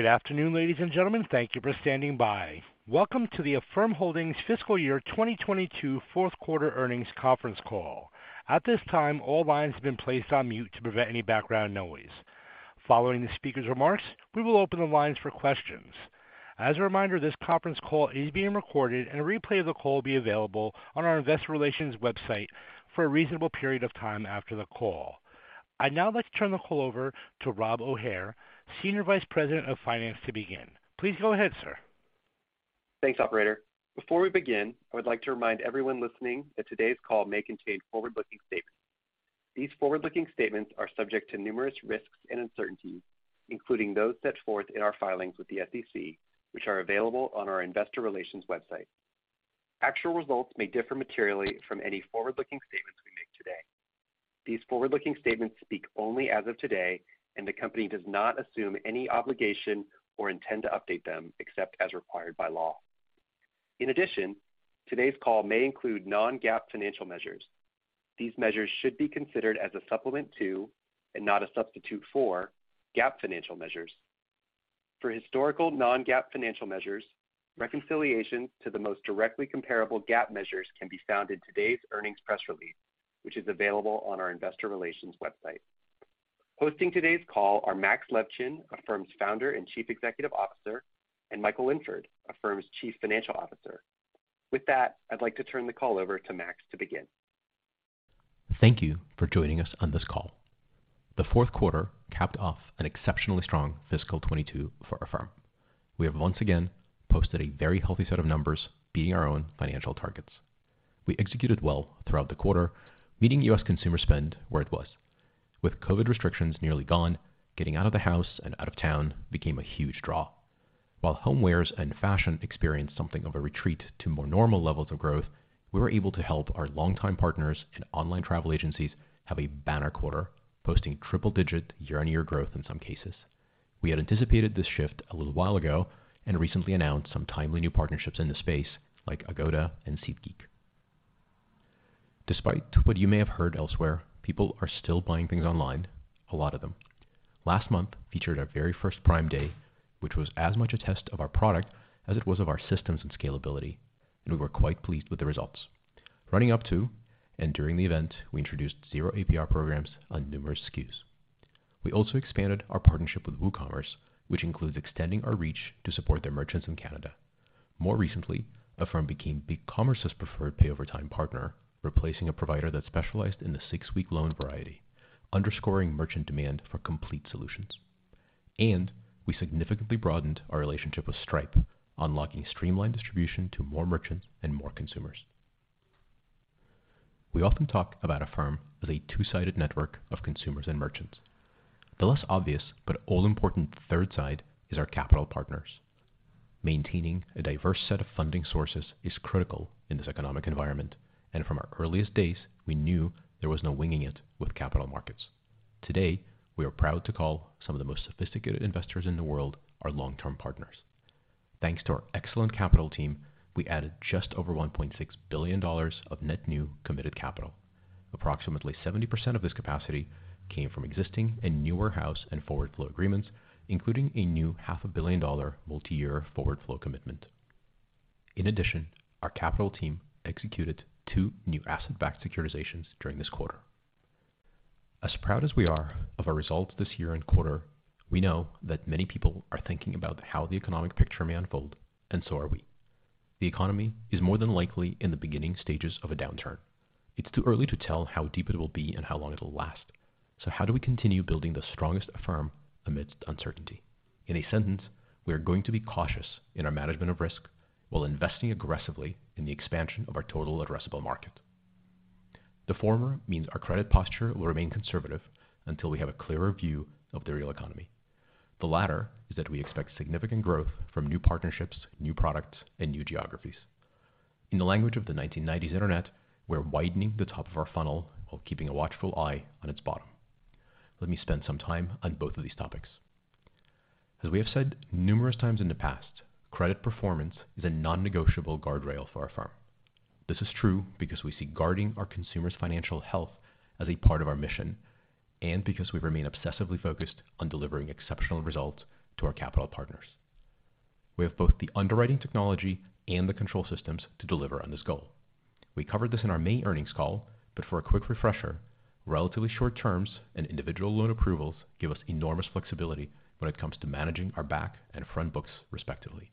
Good afternoon, ladies and gentlemen. Thank you for standing by. Welcome to the Affirm Holdings Fiscal Year 2022 Fourth Quarter Earnings Conference Call. At this time, all lines have been placed on mute to prevent any background noise. Following the speaker's remarks, we will open the lines for questions. As a reminder, this conference call is being recorded, and a replay of the call will be available on our investor relations website for a reasonable period of time after the call. I'd now like to turn the call over to Rob O'Hare, Senior Vice President of Finance, to begin. Please go ahead, sir. Thanks operator. Before we begin, I would like to remind everyone listening that today's call may contain forward-looking statements. These forward-looking statements are subject to numerous risks and uncertainties, including those set forth in our filings with the SEC, which are available on our Investor Relations website. Actual results may differ materially from any forward-looking statements we make today. These forward-looking statements speak only as of today, and the company does not assume any obligation or intend to update them except as required by law. In addition, today's call may include non-GAAP financial measures. These measures should be considered as a supplement to, and not a substitute for, GAAP financial measures. For historical non-GAAP financial measures, reconciliations to the most directly comparable GAAP measures can be found in today's earnings press release, which is available on our investor relations website. Hosting today's call are Max Levchin, Affirm's Founder and Chief Executive Officer, and Michael Linford, Affirm's Chief Financial Officer. With that, I'd like to turn the call over to Max to begin. Thank you for joining us on this call. The fourth quarter capped off an exceptionally strong fiscal 2022 for Affirm. We have once again posted a very healthy set of numbers, beating our own financial targets. We executed well throughout the quarter, meeting U.S. consumer spend where it was. With COVID restrictions nearly gone, getting out of the house and out of town became a huge draw. While homewares and fashion experienced something of a retreat to more normal levels of growth, we were able to help our longtime partners and online travel agencies have a banner quarter, posting triple-digit year-on-year growth in some cases. We had anticipated this shift a little while ago and recently announced some timely new partnerships in the space like Agoda and SeatGeek. Despite what you may have heard elsewhere, people are still buying things online, a lot of them. Last month featured our very first Prime Day, which was as much a test of our product as it was of our systems and scalability, and we were quite pleased with the results. Running up to and during the event, we introduced zero APR programs on numerous SKUs. We also expanded our partnership with WooCommerce, which includes extending our reach to support their merchants in Canada. More recently, Affirm became BigCommerce's preferred pay over time partner, replacing a provider that specialized in the six-week loan variety, underscoring merchant demand for complete solutions. We significantly broadened our relationship with Stripe, unlocking streamlined distribution to more merchants and more consumers. We often talk about Affirm as a two-sided network of consumers and merchants. The less obvious but all-important third side is our capital partners. Maintaining a diverse set of funding sources is critical in this economic environment, and from our earliest days, we knew there was no winging it with capital markets. Today, we are proud to call some of the most sophisticated investors in the world our long-term partners. Thanks to our excellent capital team, we added just over $1.6 billion of net new committed capital. Approximately 70% of this capacity came from existing and new whole loan and forward flow agreements, including a new half a billion-dollar multi-year forward flow commitment. In addition, our capital team executed two new asset-backed securitizations during this quarter. As proud as we are of our results this year and quarter, we know that many people are thinking about how the economic picture may unfold, and so are we. The economy is more than likely in the beginning stages of a downturn. It's too early to tell how deep it will be and how long it'll last. How do we continue building the strongest Affirm amidst uncertainty? In a sentence, we are going to be cautious in our management of risk while investing aggressively in the expansion of our total addressable market. The former means our credit posture will remain conservative until we have a clearer view of the real economy. The latter is that we expect significant growth from new partnerships, new products, and new geographies. In the language of the 1990s Internet, we're widening the top of our funnel while keeping a watchful eye on its bottom. Let me spend some time on both of these topics. As we have said numerous times in the past, credit performance is a non-negotiable guardrail for Affirm. This is true because we see guarding our consumers' financial health as a part of our mission and because we remain obsessively focused on delivering exceptional results to our capital partners. We have both the underwriting technology and the control systems to deliver on this goal. We covered this in our May earnings call, but for a quick refresher, relatively short terms and individual loan approvals give us enormous flexibility when it comes to managing our back and front books, respectively.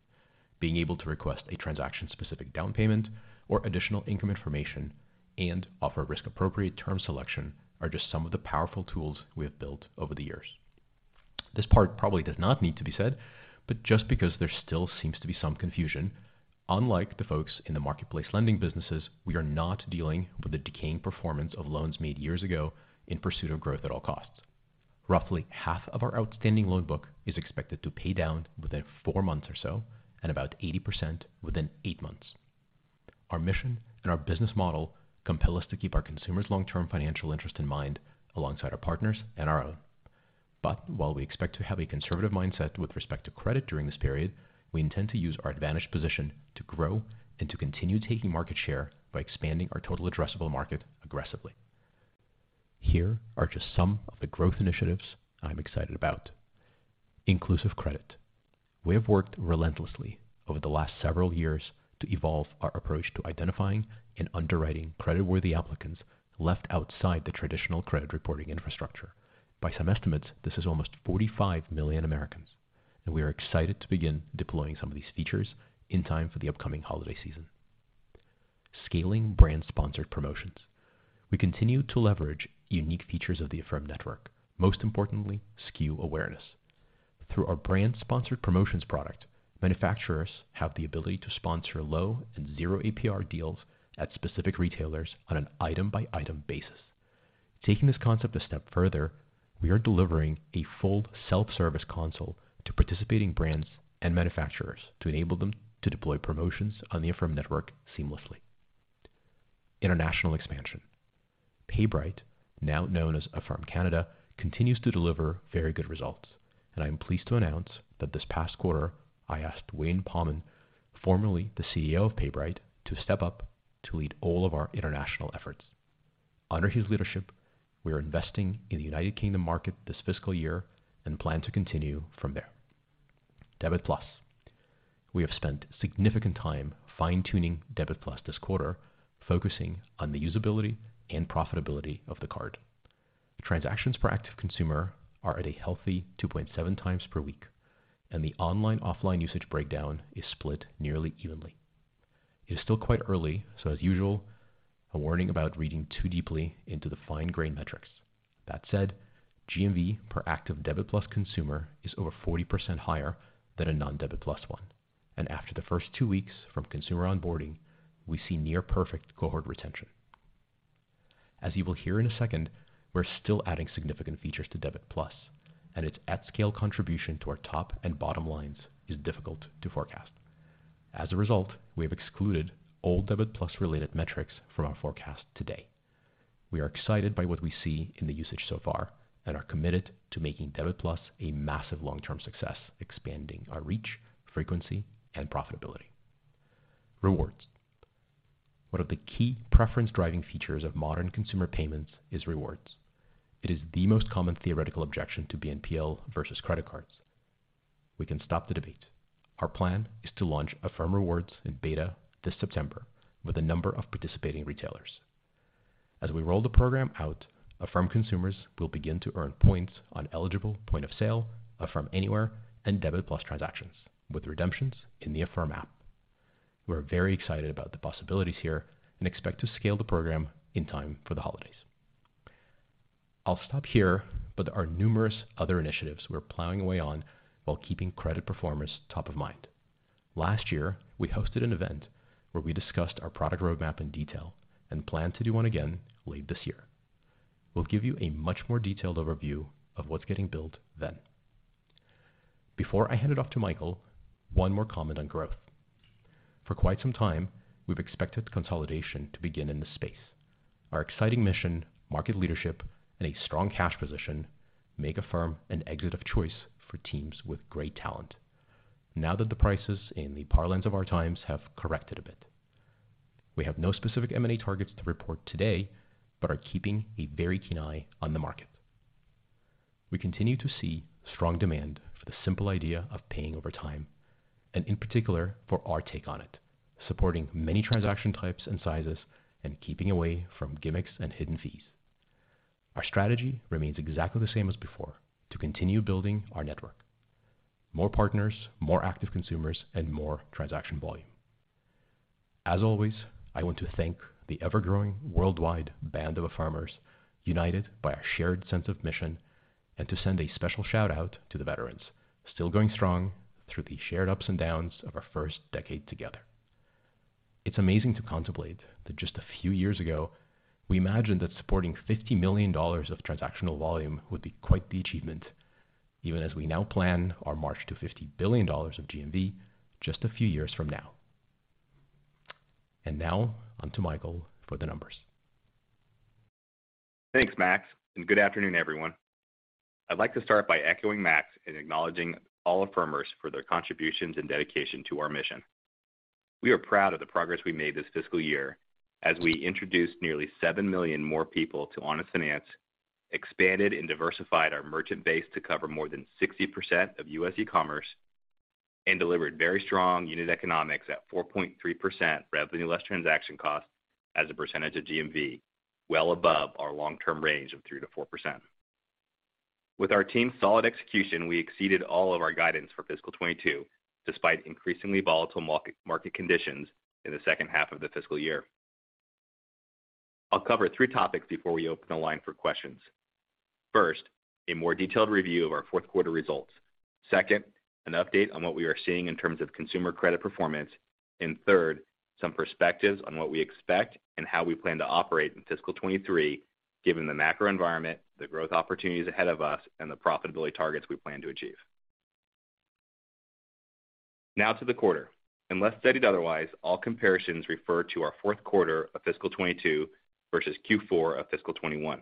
Being able to request a transaction-specific down payment or additional income information and offer risk-appropriate term selection are just some of the powerful tools we have built over the years. This part probably does not need to be said, but just because there still seems to be some confusion, unlike the folks in the marketplace lending businesses, we are not dealing with the decaying performance of loans made years ago in pursuit of growth at all costs. Roughly half of our outstanding loan book is expected to pay down within four months or so, and about 80% within eight months. Our mission and our business model compel us to keep our consumers' long-term financial interest in mind alongside our partners and our own. While we expect to have a conservative mindset with respect to credit during this period, we intend to use our advantaged position to grow and to continue taking market share by expanding our total addressable market aggressively. Here are just some of the growth initiatives I'm excited about. Inclusive credit. We have worked relentlessly over the last several years to evolve our approach to identifying and underwriting credit-worthy applicants left outside the traditional credit reporting infrastructure. By some estimates, this is almost 45 million Americans, and we are excited to begin deploying some of these features in time for the upcoming holiday season. Scaling brand-sponsored promotions. We continue to leverage unique features of the Affirm network, most importantly, SKU awareness. Through our brand-sponsored promotions product, manufacturers have the ability to sponsor low and zero APR deals at specific retailers on an item-by-item basis. Taking this concept a step further, we are delivering a full self-service console to participating brands and manufacturers to enable them to deploy promotions on the Affirm network seamlessly. International expansion. PayBright, now known as Affirm Canada, continues to deliver very good results, and I am pleased to announce that this past quarter, I asked Wayne Pommen, formerly the CEO of PayBright, to step up to lead all of our international efforts. Under his leadership, we are investing in the United Kingdom market this fiscal year and plan to continue from there. Debit+. We have spent significant time fine-tuning Debit+ this quarter, focusing on the usability and profitability of the card. Transactions per active consumer are at a healthy 2.7 times per week, and the online/offline usage breakdown is split nearly evenly. It is still quite early, so as usual, a warning about reading too deeply into the fine-grained metrics. That said, GMV per active Debit+ consumer is over 40% higher than a non-Debit+ one, and after the first two weeks from consumer onboarding, we see near perfect cohort retention. As you will hear in a second, we're still adding significant features to Debit+, and it's at-scale contribution to our top and bottom lines is difficult to forecast. As a result, we have excluded all Debit+ related metrics from our forecast today. We are excited by what we see in the usage so far and are committed to making Debit+ a massive long-term success, expanding our reach, frequency, and profitability. Rewards. One of the key preference-driving features of modern consumer payments is rewards. It is the most common theoretical objection to BNPL versus credit cards. We can stop the debate. Our plan is to launch Affirm Rewards in Beta this September with a number of participating retailers. As we roll the program out, Affirm consumers will begin to earn points on eligible point of sale, Affirm Anywhere, and Debit+ transactions with redemptions in the Affirm app. We're very excited about the possibilities here and expect to scale the program in time for the holidays. I'll stop here, but there are numerous other initiatives we're plugging away on while keeping credit performance top of mind. Last year, we hosted an event where we discussed our product roadmap in detail and plan to do one again late this year. We'll give you a much more detailed overview of what's getting built then. Before I hand it off to Michael, one more comment on growth. For quite some time, we've expected consolidation to begin in this space. Our exciting mission, market leadership, and a strong cash position make Affirm an exit of choice for teams with great talent now that the prices in the parlance of our times have corrected a bit. We have no specific M&A targets to report today, but are keeping a very keen eye on the market. We continue to see strong demand for the simple idea of paying over time, and in particular, for our take on it, supporting many transaction types and sizes and keeping away from gimmicks and hidden fees. Our strategy remains exactly the same as before, to continue building our network. More partners, more active consumers, and more transaction volume. As always, I want to thank the ever-growing worldwide band of Affirmers, united by our shared sense of mission, and to send a special shout out to the veterans still going strong through the shared ups and downs of our first decade together. It's amazing to contemplate that just a few years ago, we imagined that supporting $50 million of transactional volume would be quite the achievement, even as we now plan our march to $50 billion of GMV just a few years from now. Now on to Michael for the numbers. Thanks, Max, and good afternoon, everyone. I'd like to start by echoing Max in acknowledging all Affirmers for their contributions and dedication to our mission. We are proud of the progress we made this fiscal year as we introduced nearly 7 million more people to honest finance, expanded and diversified our merchant base to cover more than 60% of U.S. e-commerce, and delivered very strong unit economics at 4.3% revenue less transaction costs as a percentage of GMV, well above our long-term range of 3%-4%. With our team's solid execution, we exceeded all of our guidance for fiscal 2022 despite increasingly volatile market conditions in the second half of the fiscal year. I'll cover 3 topics before we open the line for questions. First, a more detailed review of our fourth quarter results. Second, an update on what we are seeing in terms of consumer credit performance, and third, some perspectives on what we expect and how we plan to operate in fiscal 2023, given the macro environment, the growth opportunities ahead of us, and the profitability targets we plan to achieve. Now to the quarter. Unless stated otherwise, all comparisons refer to our fourth quarter of fiscal 2022 versus Q4 of fiscal 2021.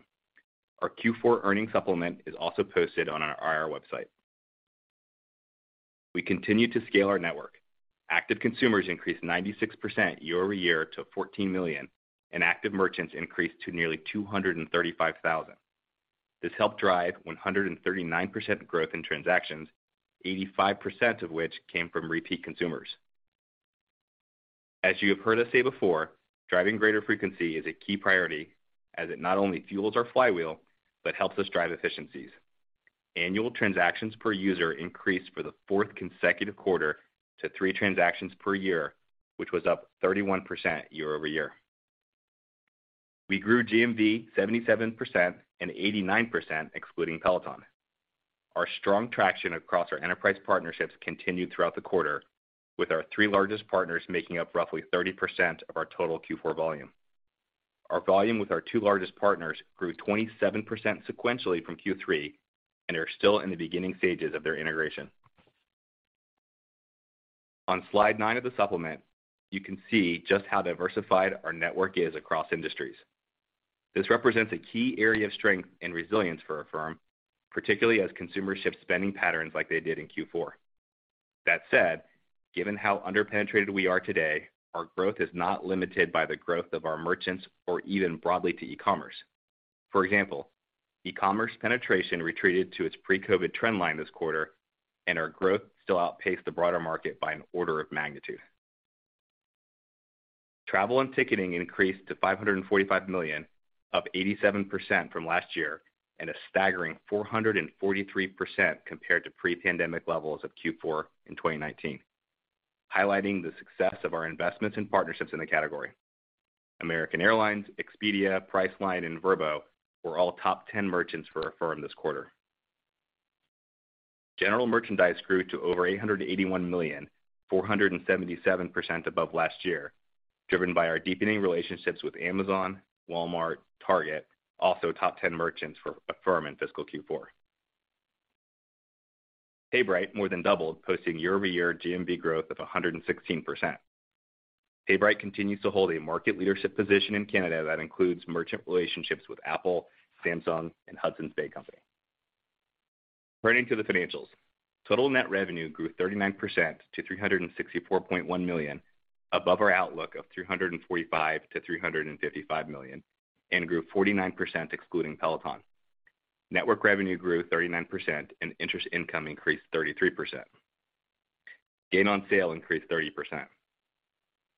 Our Q4 earnings supplement is also posted on our IR website. We continue to scale our network. Active consumers increased 96% year-over-year to 14 million, and active merchants increased to nearly 235,000. This helped drive 139% growth in transactions, 85% of which came from repeat consumers. As you have heard us say before, driving greater frequency is a key priority as it not only fuels our flywheel, but helps us drive efficiencies. Annual transactions per user increased for the fourth consecutive quarter to three transactions per year, which was up 31% year-over-year. We grew GMV 77% and 89% excluding Peloton. Our strong traction across our enterprise partnerships continued throughout the quarter with our three largest partners making up roughly 30% of our total Q4 volume. Our volume with our two largest partners grew 27% sequentially from Q3 and are still in the beginning stages of their integration. On slide 9 of the supplement, you can see just how diversified our network is across industries. This represents a key area of strength and resilience for our firm, particularly as consumer spending patterns shift like they did in Q4. That said, given how under-penetrated we are today, our growth is not limited by the growth of our merchants or even broadly to e-commerce. For example, e-commerce penetration retreated to its pre-COVID trend line this quarter, and our growth still outpaced the broader market by an order of magnitude. Travel and ticketing increased to $545 million, up 87% from last year, and a staggering 443% compared to pre-pandemic levels of Q4 in 2019, highlighting the success of our investments and partnerships in the category. American Airlines, Expedia, Priceline.com, and Vrbo were all top 10 merchants for Affirm this quarter. General merchandise grew to over $881 million, 477% above last year, driven by our deepening relationships with Amazon, Walmart, Target, also top 10 merchants for Affirm in fiscal Q4. PayBright more than doubled, posting year-over-year GMV growth of 116%. PayBright continues to hold a market leadership position in Canada that includes merchant relationships with Apple, Samsung, and Hudson's Bay Company. Turning to the financials. Total net revenue grew 39% to $364.1 million above our outlook of $345-$355 million, and grew 49% excluding Peloton. Network revenue grew 39% and interest income increased 33%. Gain on sale increased 30%.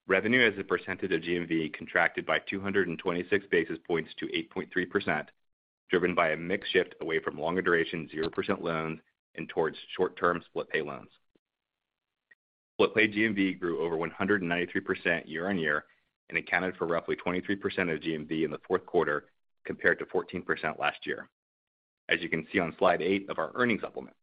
Revenue as a percentage of GMV contracted by 226 basis points to 8.3%, driven by a mix shift away from longer duration zero percent loans and towards short-term Split Pay loans. Split Pay GMV grew over 193% year-on-year and accounted for roughly 23% of GMV in the fourth quarter compared to 14% last year as you can see on slide 8 of our earnings supplement.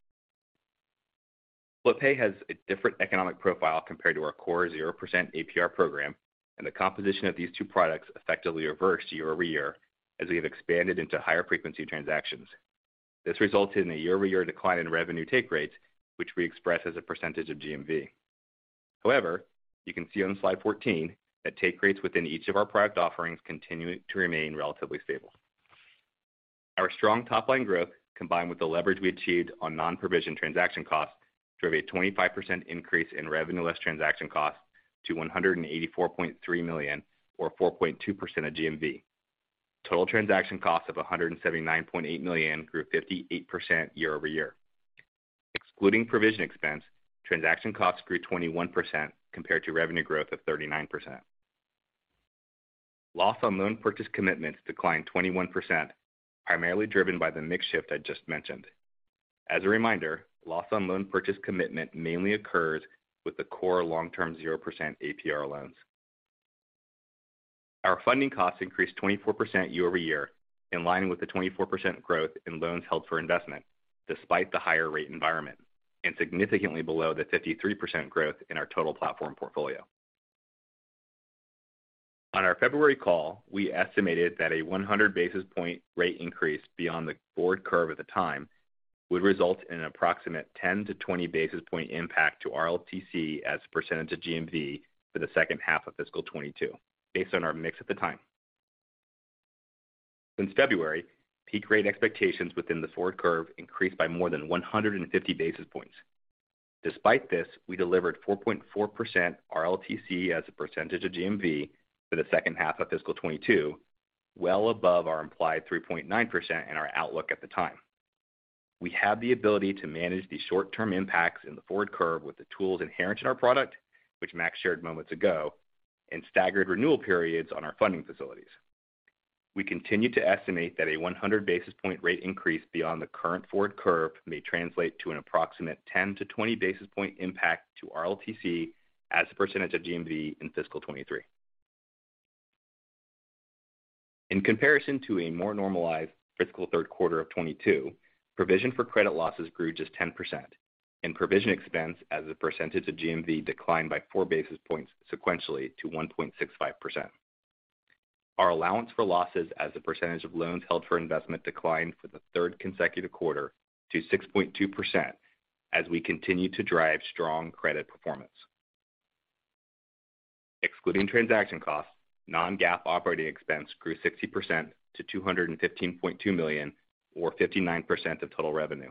Split Pay has a different economic profile compared to our core 0% APR program, and the composition of these two products effectively reversed year-over-year as we have expanded into higher frequency transactions. This resulted in a year-over-year decline in revenue take rates, which we express as a percentage of GMV. However, you can see on slide 14 that take rates within each of our product offerings continue to remain relatively stable. Our strong top line growth, combined with the leverage we achieved on non-provision transaction costs, drove a 25% increase in revenue less transaction cost to $184.3 million or 4.2% of GMV. Total transaction costs of $179.8 million grew 58% year-over-year. Excluding provision expense, transaction costs grew 21% compared to revenue growth of 39%. Loss on loan purchase commitments declined 21%, primarily driven by the mix shift I just mentioned. As a reminder, loss on loan purchase commitment mainly occurs with the core long-term 0% APR loans. Our funding costs increased 24% year-over-year, in line with the 24% growth in loans held for investment despite the higher rate environment, and significantly below the 53% growth in our total platform portfolio. On our February call, we estimated that a 100 basis point rate increase beyond the forward curve at the time would result in an approximate 10-20 basis point impact to RLTC as a percentage of GMV for the second half of fiscal 2022 based on our mix at the time. Since February, peak rate expectations within the forward curve increased by more than 150 basis points. Despite this, we delivered 4.4% RLTC as a percentage of GMV for the second half of fiscal 2022, well above our implied 3.9% in our outlook at the time. We have the ability to manage the short-term impacts in the forward curve with the tools inherent in our product, which Max shared moments ago, and staggered renewal periods on our funding facilities. We continue to estimate that a 100 basis point rate increase beyond the current forward curve may translate to an approximate 10-20 basis point impact to RLTC as a percentage of GMV in fiscal 2023. In comparison to a more normalized fiscal third quarter of 2022, provision for credit losses grew just 10%, and provision expense as a percentage of GMV declined by 4 basis points sequentially to 1.65%. Our allowance for losses as a percentage of loans held for investment declined for the third consecutive quarter to 6.2% as we continue to drive strong credit performance. Excluding transaction costs, non-GAAP operating expense grew 60% to $215.2 million, or 59% of total revenue.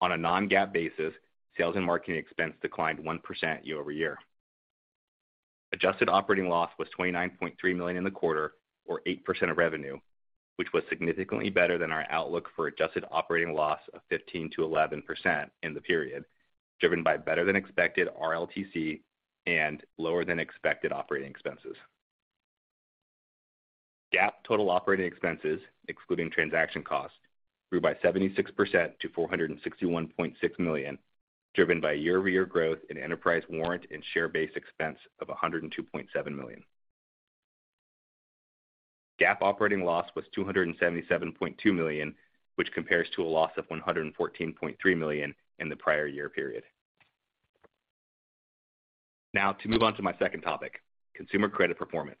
On a non-GAAP basis, sales and marketing expense declined 1% year over year. Adjusted operating loss was $29.3 million in the quarter, or 8% of revenue, which was significantly better than our outlook for adjusted operating loss of 15%-11% in the period, driven by better than expected RLTC and lower than expected operating expenses. GAAP total operating expenses, excluding transaction costs, grew by 76% to $461.6 million, driven by year-over-year growth in enterprise warrant and share-based expense of $102.7 million. GAAP operating loss was $277.2 million, which compares to a loss of $114.3 million in the prior year period. Now, to move on to my second topic, consumer credit performance.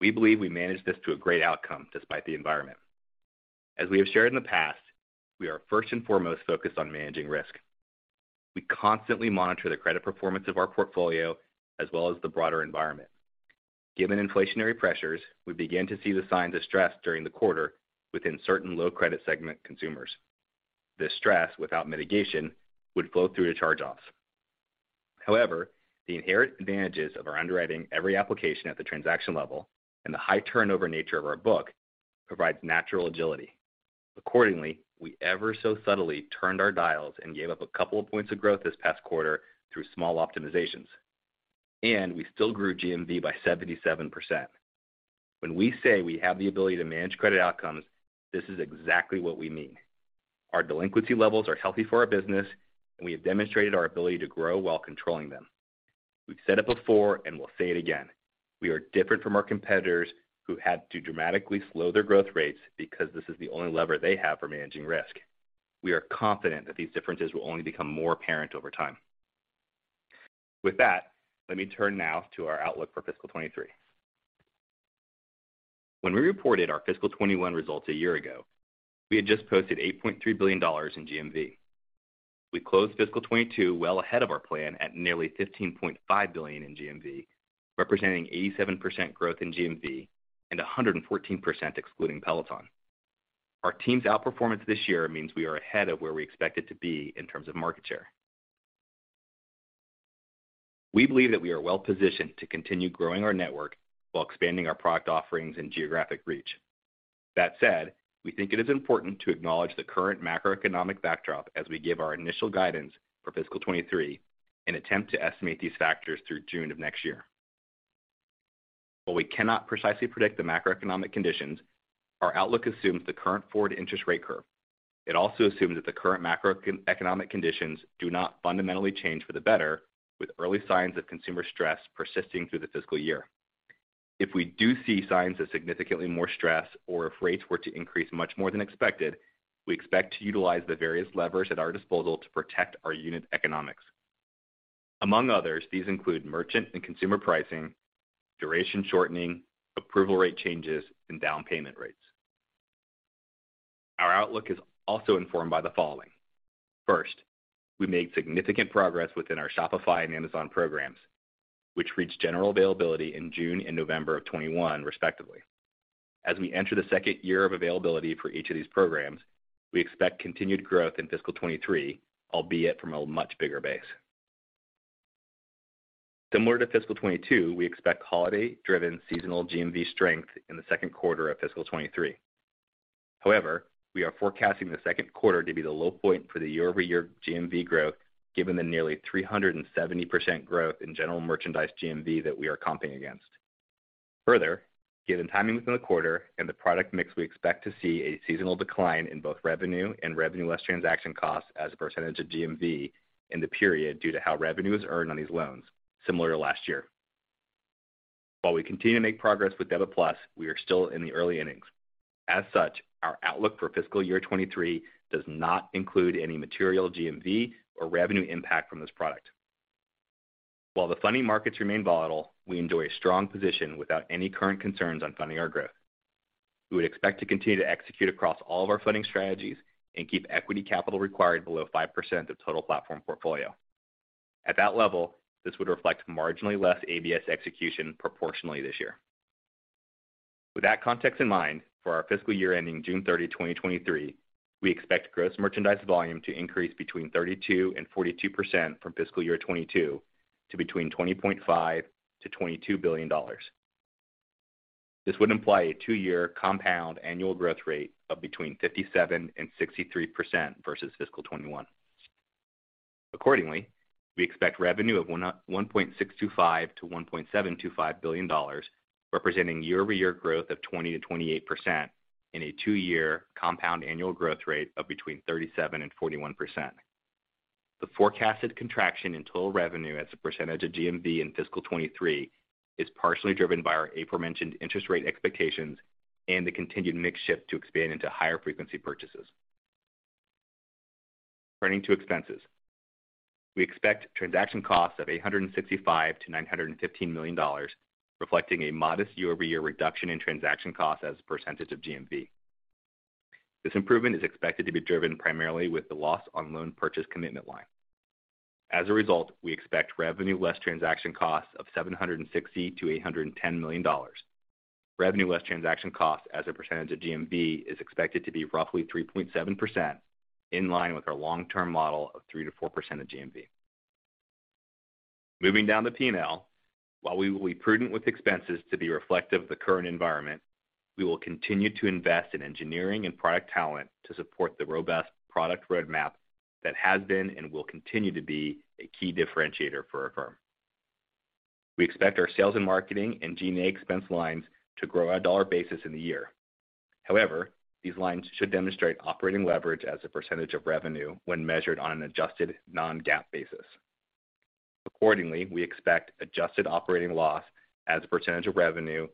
We believe we managed this to a great outcome despite the environment. As we have shared in the past, we are first and foremost focused on managing risk. We constantly monitor the credit performance of our portfolio as well as the broader environment. Given inflationary pressures, we begin to see the signs of stress during the quarter within certain low credit segment consumers. This stress, without mitigation, would flow through to charge-offs. However, the inherent advantages of our underwriting every application at the transaction level and the high turnover nature of our book provides natural agility. Accordingly, we ever so subtly turned our dials and gave up a couple of points of growth this past quarter through small optimizations, and we still grew GMV by 77%. When we say we have the ability to manage credit outcomes, this is exactly what we mean. Our delinquency levels are healthy for our business, and we have demonstrated our ability to grow while controlling them. We've said it before and we'll say it again, we are different from our competitors who had to dramatically slow their growth rates because this is the only lever they have for managing risk. We are confident that these differences will only become more apparent over time. With that, let me turn now to our outlook for fiscal 2023. When we reported our fiscal 2021 results a year ago, we had just posted $8.3 billion in GMV. We closed fiscal 2022 well ahead of our plan at nearly $15.5 billion in GMV, representing 87% growth in GMV and 114% excluding Peloton. Our team's outperformance this year means we are ahead of where we expected to be in terms of market share. We believe that we are well-positioned to continue growing our network while expanding our product offerings and geographic reach. That said, we think it is important to acknowledge the current macroeconomic backdrop as we give our initial guidance for fiscal 2023 and attempt to estimate these factors through June of next year. While we cannot precisely predict the macroeconomic conditions, our outlook assumes the current forward interest rate curve. It also assumes that the current macroeconomic conditions do not fundamentally change for the better, with early signs of consumer stress persisting through the fiscal year. If we do see signs of significantly more stress or if rates were to increase much more than expected, we expect to utilize the various levers at our disposal to protect our unit economics. Among others, these include merchant and consumer pricing, duration shortening, approval rate changes, and down payment rates. Our outlook is also informed by the following. First, we made significant progress within our Shopify and Amazon programs, which reached general availability in June and November of 2021 respectively. As we enter the second year of availability for each of these programs, we expect continued growth in fiscal 2023, albeit from a much bigger base. Similar to fiscal 2022, we expect holiday-driven seasonal GMV strength in the second quarter of fiscal 2023. However, we are forecasting the second quarter to be the low point for the year-over-year GMV growth given the nearly 370% growth in general merchandise GMV that we are comping against. Further, given timing within the quarter and the product mix, we expect to see a seasonal decline in both revenue and revenue less transaction costs as a percentage of GMV in the period due to how revenue is earned on these loans similar to last year. While we continue to make progress with Debit+, we are still in the early innings. As such, our outlook for fiscal year 2023 does not include any material GMV or revenue impact from this product. While the funding markets remain volatile, we enjoy a strong position without any current concerns on funding our growth. We would expect to continue to execute across all of our funding strategies and keep equity capital required below 5% of total platform portfolio. At that level, this would reflect marginally less ABS execution proportionally this year. With that context in mind, for our fiscal year ending June 30, 2023, we expect gross merchandise volume to increase between 32%-42% from fiscal year 2022 to between $20.5 billion-$22 billion. This would imply a two-year compound annual growth rate of between 57%-63% versus fiscal 2021. Accordingly, we expect revenue of $1.625 billion-$1.725 billion, representing year-over-year growth of 20%-28% in a two-year compound annual growth rate of between 37%-41%. The forecasted contraction in total revenue as a percentage of GMV in fiscal 2023 is partially driven by our aforementioned interest rate expectations and the continued mix shift to expand into higher frequency purchases. Turning to expenses. We expect transaction costs of $865 million-$915 million, reflecting a modest year-over-year reduction in transaction costs as a percentage of GMV. This improvement is expected to be driven primarily by the loss on loan purchase commitment line. As a result, we expect revenue less transaction costs of $760 million-$810 million. Revenue less transaction costs as a percentage of GMV is expected to be roughly 3.7%, in line with our long-term model of 3%-4% of GMV. Moving down the P&L, while we will be prudent with expenses to be reflective of the current environment, we will continue to invest in engineering and product talent to support the robust product roadmap that has been and will continue to be a key differentiator for our firm. We expect our sales and marketing and G&A expense lines to grow on a dollar basis in the year. However, these lines should demonstrate operating leverage as a percentage of revenue when measured on an adjusted non-GAAP basis. Accordingly, we expect adjusted operating loss as a percentage of revenue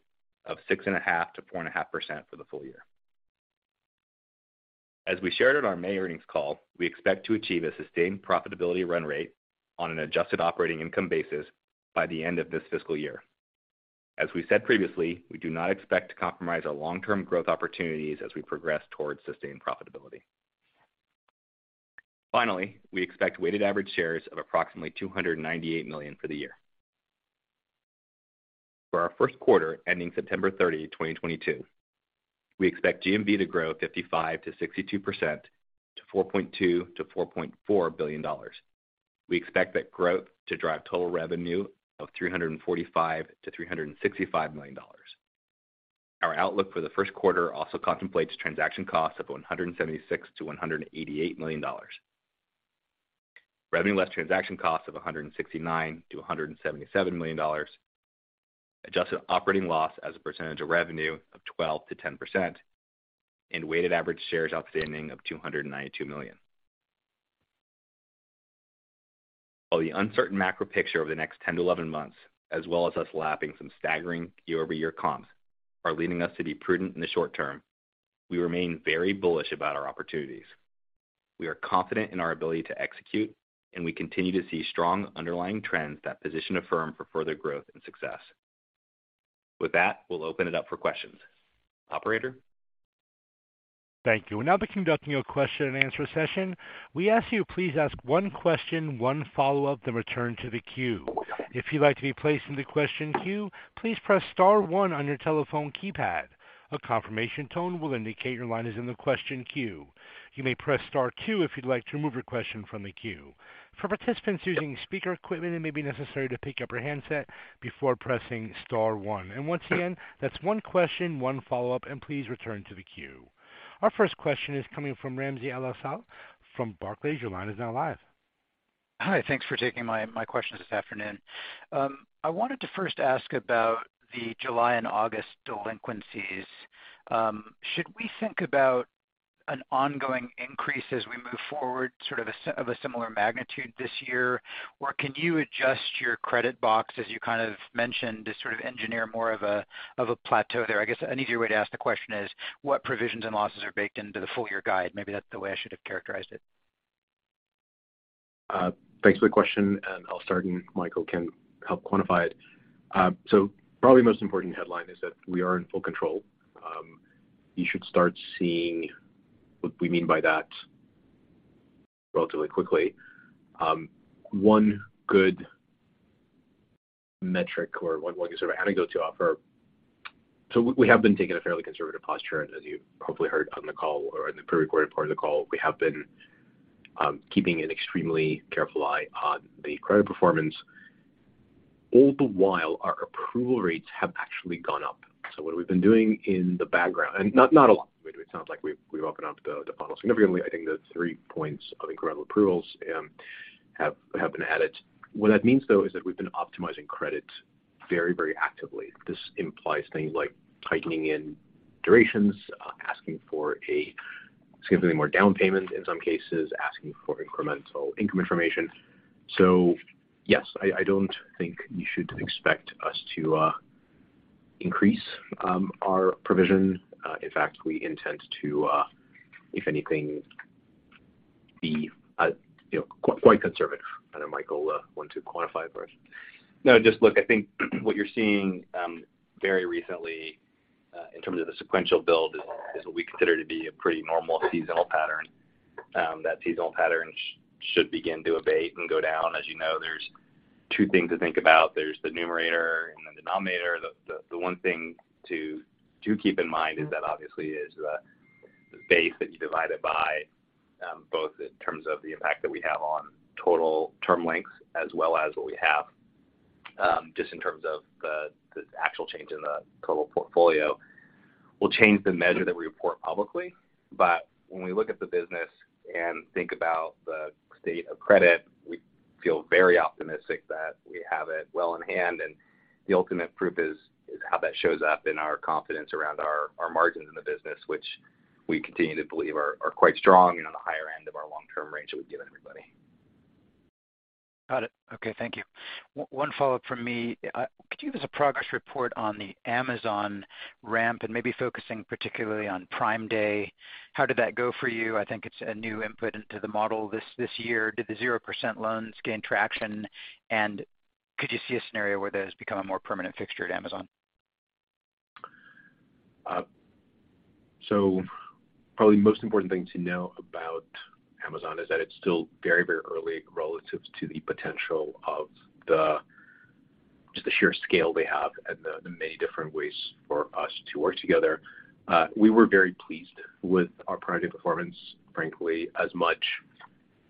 of 6.5%-4.5% for the full year. As we shared at our May earnings call, we expect to achieve a sustained profitability run rate on an adjusted operating income basis by the end of this fiscal year. As we said previously, we do not expect to compromise our long-term growth opportunities as we progress towards sustained profitability. Finally, we expect weighted average shares of approximately 298 million for the year. For our first quarter ending September 30, 2022, we expect GMV to grow 55%-62% to $4.2 billion-$4.4 billion. We expect that growth to drive total revenue of $345 million-$365 million. Our outlook for the first quarter also contemplates transaction costs of $176 million-$188 million. Revenue less transaction costs of $169 million-$177 million. Adjusted operating loss as a percentage of revenue of 12%-10% and weighted average shares outstanding of 292 million. While the uncertain macro picture over the next 10 to 11 months, as well as us lapping some staggering year-over-year comps are leading us to be prudent in the short term, we remain very bullish about our opportunities. We are confident in our ability to execute, and we continue to see strong underlying trends that position the firm for further growth and success. With that, we'll open it up for questions. Operator. Thank you. We'll now be conducting a question and answer session. We ask you please ask one question, one follow-up, then return to the queue. If you'd like to be placed in the question queue, please press star one on your telephone keypad. A confirmation tone will indicate your line is in the question queue. You may press star two if you'd like to remove your question from the queue. For participants using speaker equipment, it may be necessary to pick up your handset before pressing star one. Once again, that's one question, one follow-up, and please return to the queue. Our first question is coming from Ramsey El-Assal from Barclays. Your line is now live. Hi. Thanks for taking my question this afternoon. I wanted to first ask about the July and August delinquencies. Should we think about an ongoing increase as we move forward, sort of a similar magnitude this year? Or can you adjust your credit box, as you kind of mentioned, to sort of engineer more of a plateau there? I guess an easier way to ask the question is what provisions and losses are baked into the full year guide? Maybe that's the way I should have characterized it. Thanks for the question, and I'll start, and Michael can help quantify it. Probably most important headline is that we are in full control. You should start seeing what we mean by that relatively quickly. One good metric or one sort of anecdote to offer. We have been taking a fairly conservative posture, and as you hopefully heard on the call or in the pre-recorded part of the call, we have been keeping an extremely careful eye on the credit performance. All the while, our approval rates have actually gone up. What we've been doing in the background, and not a lot. It sounds like we've opened up the funnel significantly. I think that's three points of incremental approvals have been added. What that means, though, is that we've been optimizing credit very, very actively. This implies things like tightening in durations, asking for a significantly more down payment in some cases, asking for incremental income information. Yes, I don't think you should expect us to increase our provision. In fact, we intend to, if anything, be, you know, quite conservative. I don't know, Michael, want to quantify for us? No, just look, I think what you're seeing very recently in terms of the sequential build is what we consider to be a pretty normal seasonal pattern. That seasonal pattern should begin to abate and go down. As you know, there's two things to think about. There's the numerator and the denominator. The one thing to keep in mind is that obviously, the base that you divide it by, both in terms of the impact that we have on total term lengths as well as what we have just in terms of the actual change in the total portfolio. We'll change the measure that we report publicly, but when we look at the business and think about the state of credit, we feel very optimistic that we have it well in hand. The ultimate proof is how that shows up in our confidence around our margins in the business, which we continue to believe are quite strong and on the higher end of our long-term range that we've given everybody. Got it. Okay. Thank you. One follow-up from me. Could you give us a progress report on the Amazon ramp and maybe focusing particularly on Prime Day? How did that go for you? I think it's a new input into the model this year. Did the 0% loans gain traction? Could you see a scenario where those become a more permanent fixture at Amazon? Probably most important thing to know about Amazon is that it's still very, very early relative to the potential of just the sheer scale they have and the many different ways for us to work together. We were very pleased with our product performance, frankly, as much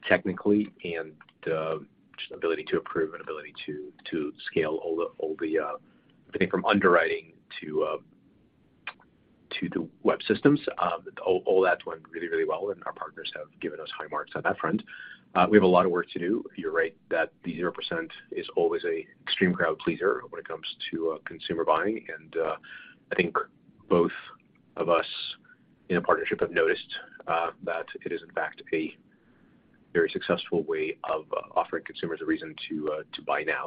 technically and just ability to approve and ability to scale all the everything from underwriting to the web systems. All that went really, really well, and our partners have given us high marks on that front. We have a lot of work to do. You're right that the 0% is always an extreme crowd pleaser when it comes to consumer buying. I think both of us in partnership have noticed that it is in fact a very successful way of offering consumers a reason to buy now.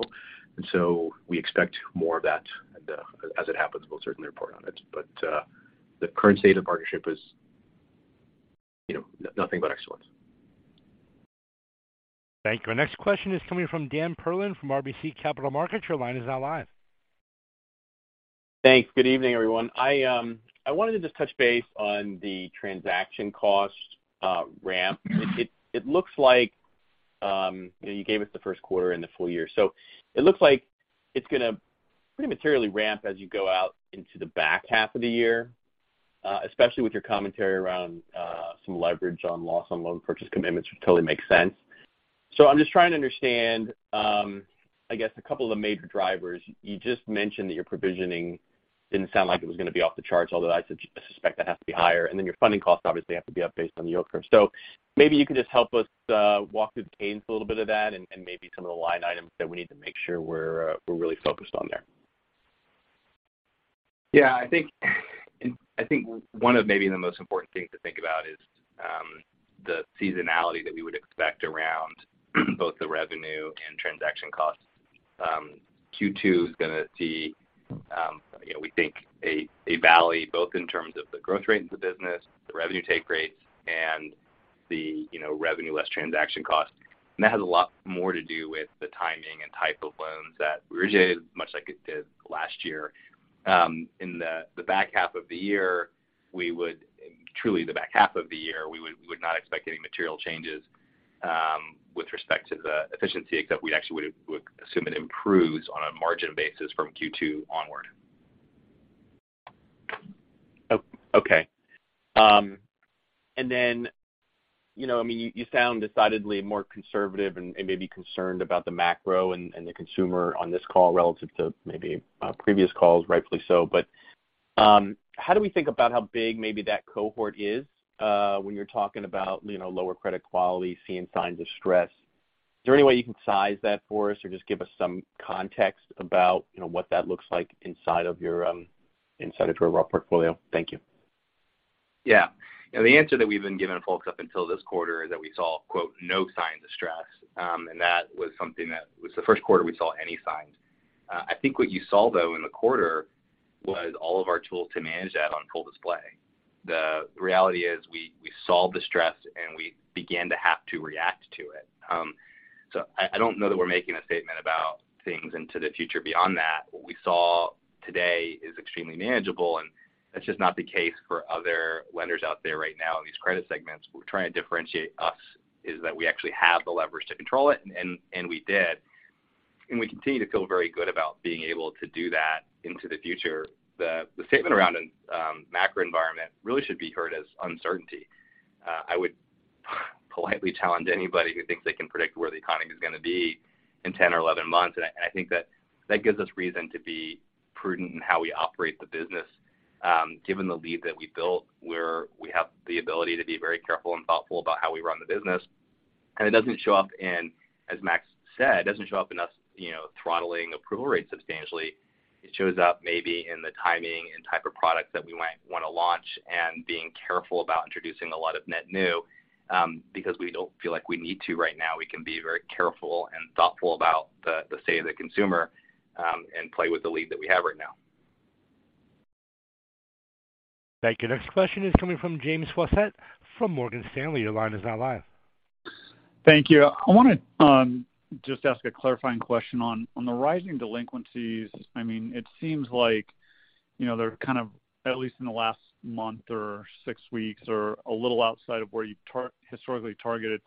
We expect more of that. As it happens, we'll certainly report on it. The current state of partnership is, you know, nothing but excellence. Thank you. Next question is coming from Dan Perlin from RBC Capital Markets. Your line is now live. Thanks. Good evening, everyone. I wanted to just touch base on the transaction cost ramp. It looks like, you know, you gave us the first quarter and the full year. It looks like it's gonna pretty materially ramp as you go out into the back half of the year, especially with your commentary around some leverage on loss on loan purchase commitments, which totally makes sense. I'm just trying to understand, I guess, a couple of the major drivers. You just mentioned that your provisioning didn't sound like it was gonna be off the charts, although I suspect that has to be higher. Your funding costs obviously have to be up based on the yield curve. Maybe you can just help us walk through the gains a little bit of that and maybe some of the line items that we need to make sure we're really focused on there. Yeah, I think one of maybe the most important things to think about is the seasonality that we would expect around both the revenue and transaction costs. Q2 is gonna see, you know, we think a valley, both in terms of the growth rate of the business, the revenue take rates and the, you know, revenue less transaction costs. That has a lot more to do with the timing and type of loans that originated much like it did last year. In the back half of the year, we would not expect any material changes with respect to the efficiency, except we actually would assume it improves on a margin basis from Q2 onward. Okay. You know, I mean, you sound decidedly more conservative and maybe concerned about the macro and the consumer on this call relative to maybe previous calls, rightfully so. How do we think about how big maybe that cohort is when you're talking about, you know, lower credit quality, seeing signs of stress? Is there any way you can size that for us or just give us some context about, you know, what that looks like inside of your raw portfolio? Thank you. Yeah. The answer that we've been giving folks up until this quarter is that we saw quote, "no signs of stress." That was something that was the first quarter we saw any signs. I think what you saw, though, in the quarter was all of our tools to manage that on full display. The reality is we saw the stress, and we began to have to react to it. I don't know that we're making a statement about things into the future beyond that. What we saw today is extremely manageable, and that's just not the case for other lenders out there right now in these credit segments. We're trying to differentiate us is that we actually have the leverage to control it, and we did. We continue to feel very good about being able to do that into the future. The statement around macro environment really should be heard as uncertainty. I would politely challenge anybody who thinks they can predict where the economy is gonna be in 10 or 11 months. I think that gives us reason to be prudent in how we operate the business. Given the lead that we built, we have the ability to be very careful and thoughtful about how we run the business. It doesn't show up in, as Max said, it doesn't show up in us, you know, throttling approval rates substantially. It shows up maybe in the timing and type of products that we might wanna launch and being careful about introducing a lot of net new, because we don't feel like we need to right now. We can be very careful and thoughtful about the state of the consumer, and play with the lead that we have right now. Thank you. Next question is coming from James Faucette from Morgan Stanley. Your line is now live. Thank you. I wanna just ask a clarifying question on the rising delinquencies. I mean, it seems like, you know, they're kind of at least in the last month or six weeks or a little outside of where you historically targeted.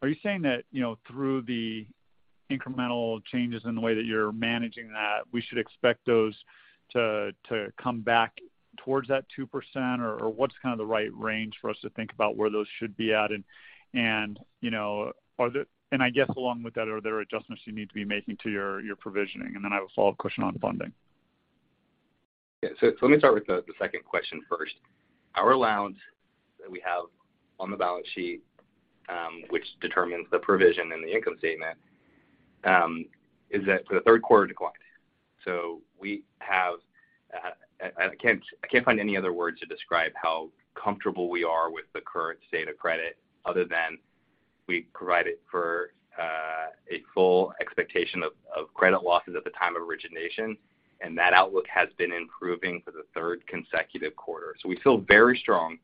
Are you saying that, you know, through the incremental changes in the way that you're managing that, we should expect those to come back towards that 2%? Or what's kind of the right range for us to think about where those should be at? And, you know, I guess along with that, are there adjustments you need to be making to your provisioning? And then I have a follow-up question on funding. Let me start with the second question first. Our allowance that we have on the balance sheet, which determines the provision in the income statement, is that for the third quarter declined. I can't find any other word to describe how comfortable we are with the current state of credit other than we provided for a full expectation of credit losses at the time of origination, and that outlook has been improving for the third consecutive quarter. We feel very strong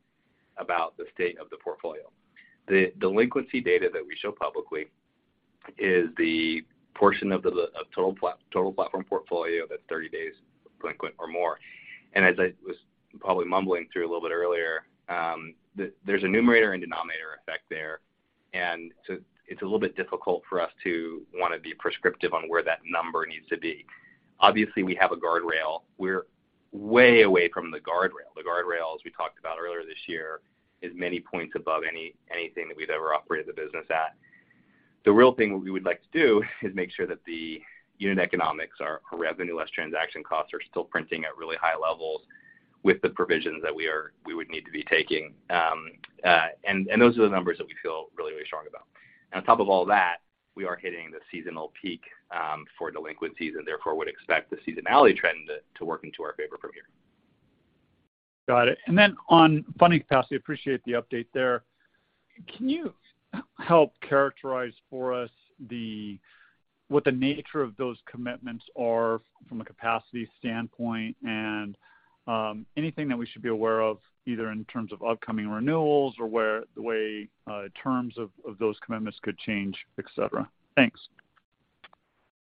about the state of the portfolio. The delinquency data that we show publicly is the portion of the total platform portfolio that's 30 days delinquent or more. As I was probably mumbling through a little bit earlier, there's a numerator and denominator effect there, and so it's a little bit difficult for us to wanna be prescriptive on where that number needs to be. Obviously, we have a guardrail. We're way away from the guardrail. The guardrail, as we talked about earlier this year, is many points above anything that we've ever operated the business at. The real thing we would like to do is make sure that the unit economics, our revenue less transaction costs are still printing at really high levels with the provisions that we would need to be taking. And those are the numbers that we feel really, really strong about. On top of all that, we are hitting the seasonal peak for delinquencies and therefore would expect the seasonality trend to work into our favor from here. Got it. On funding capacity, appreciate the update there. Can you help characterize for us what the nature of those commitments are from a capacity standpoint and, anything that we should be aware of either in terms of upcoming renewals or the way terms of those commitments could change, et cetera? Thanks.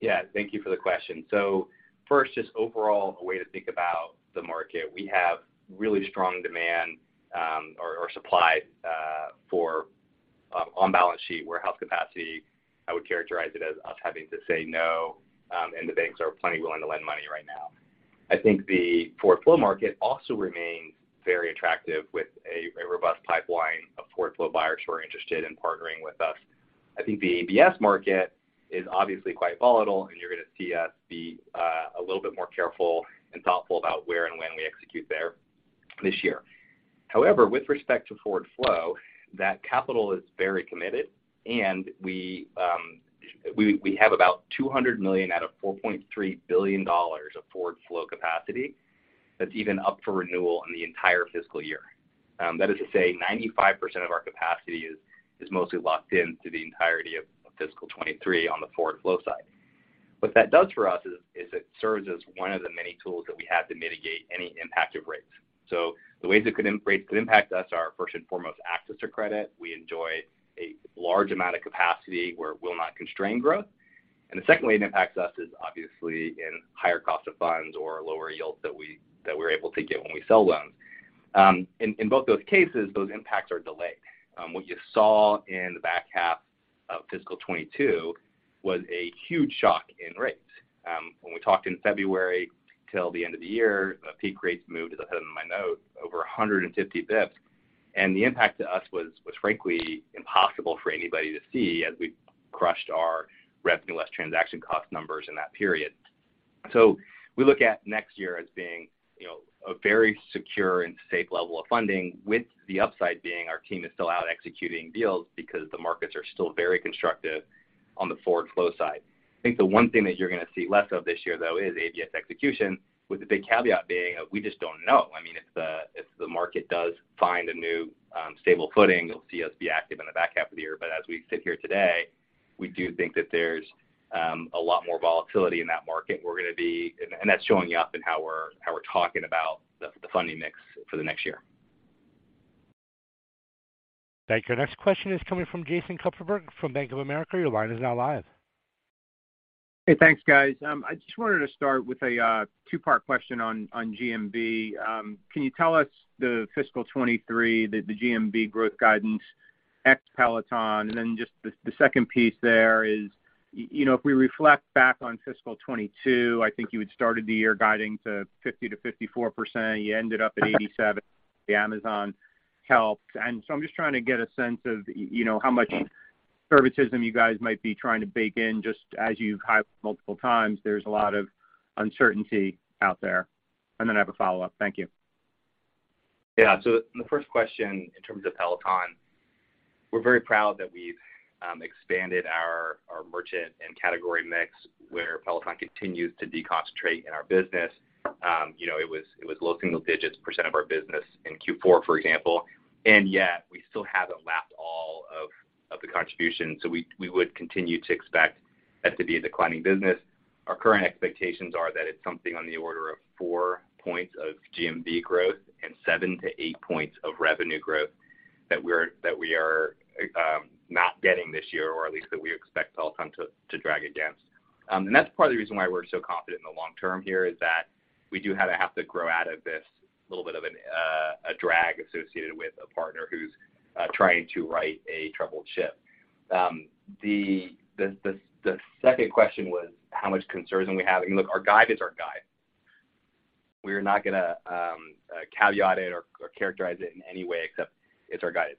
Yeah. Thank you for the question. First, just overall a way to think about the market. We have really strong demand or supply for on-balance-sheet funding capacity. I would characterize it as us having to say no, and the banks are plenty willing to lend money right now. I think the forward flow market also remains very attractive with a robust pipeline of forward flow buyers who are interested in partnering with us. I think the ABS market is obviously quite volatile, and you're gonna see us be a little bit more careful and thoughtful about where and when we execute there this year. However, with respect to forward flow, that capital is very committed, and we have about $200 million out of $4.3 billion of forward flow capacity that's even up for renewal in the entire fiscal year. That is to say 95% of our capacity is mostly locked in to the entirety of fiscal 2023 on the forward flow side. What that does for us is it serves as one of the many tools that we have to mitigate any impact of rates. The ways that rates could impact us are first and foremost, access to credit. We enjoy a large amount of capacity where it will not constrain growth. The second way it impacts us is obviously in higher cost of funds or lower yields that we're able to get when we sell loans. In both those cases, those impacts are delayed. What you saw in the back half of fiscal 2022 was a huge shock in rates. When we talked in February till the end of the year, the peak rates moved, at the head of my note, over 150 bps. The impact to us was frankly impossible for anybody to see as we crushed our revenue less transaction costs numbers in that period. We look at next year as being, you know, a very secure and safe level of funding with the upside being our team is still out executing deals because the markets are still very constructive on the forward flow side. I think the one thing that you're gonna see less of this year though is ABS execution with the big caveat being we just don't know. I mean, if the market does find a new, stable footing, you'll see us be active in the back half of the year. As we sit here today, we do think that there's a lot more volatility in that market, and we're gonna be and that's showing up in how we're talking about the funding mix for the next year. Thank you. Next question is coming from Jason Kupferberg from Bank of America. Your line is now live. Hey. Thanks, guys. I just wanted to start with a two-part question on GMV. Can you tell us the fiscal 2023 GMV growth guidance ex Peloton? The second piece there is, you know, if we reflect back on fiscal 2022, I think you had started the year guiding to 50%-54%. You ended up at 87%. The Amazon helped. I'm just trying to get a sense of, you know, how much conservatism you guys might be trying to bake in just as you've hyped multiple times, there's a lot of uncertainty out there. I have a follow-up. Thank you. Yeah. The first question in terms of Peloton, we're very proud that we've expanded our merchant and category mix where Peloton continues to deconcentrate in our business. You know, it was low single digits% of our business in Q4, for example, and yet we still haven't lapped all of the contribution. We would continue to expect that to be a declining business. Our current expectations are that it's something on the order of 4 points of GMV growth and 7-8 points of revenue growth that we are not getting this year or at least that we expect Peloton to drag against. That's part of the reason why we're so confident in the long term here is that we do kind of have to grow out of this little bit of a drag associated with a partner who's trying to right a troubled ship. The second question was how much conservatism we have. I mean, look, our guide is our guide. We're not gonna caveat it or characterize it in any way except it's our guide.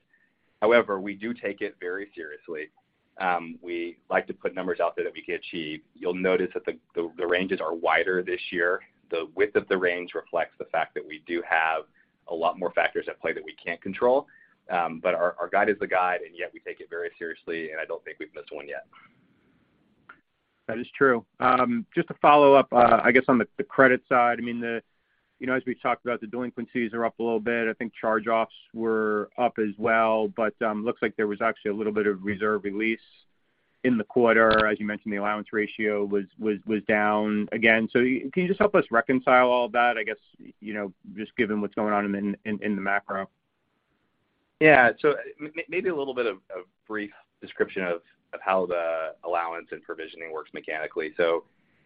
However, we do take it very seriously. We like to put numbers out there that we can achieve. You'll notice that the ranges are wider this year. The width of the range reflects the fact that we do have a lot more factors at play that we can't control. Our guide is the guide, and yet we take it very seriously, and I don't think we've missed one yet. That is true. Just to follow up, I guess on the credit side. I mean, you know, as we've talked about, the delinquencies are up a little bit. I think charge-offs were up as well, but looks like there was actually a little bit of reserve release in the quarter. As you mentioned, the allowance ratio was down again. So can you just help us reconcile all that, I guess, you know, just given what's going on in the macro? Maybe a little bit of brief description of how the allowance and provisioning works mechanically.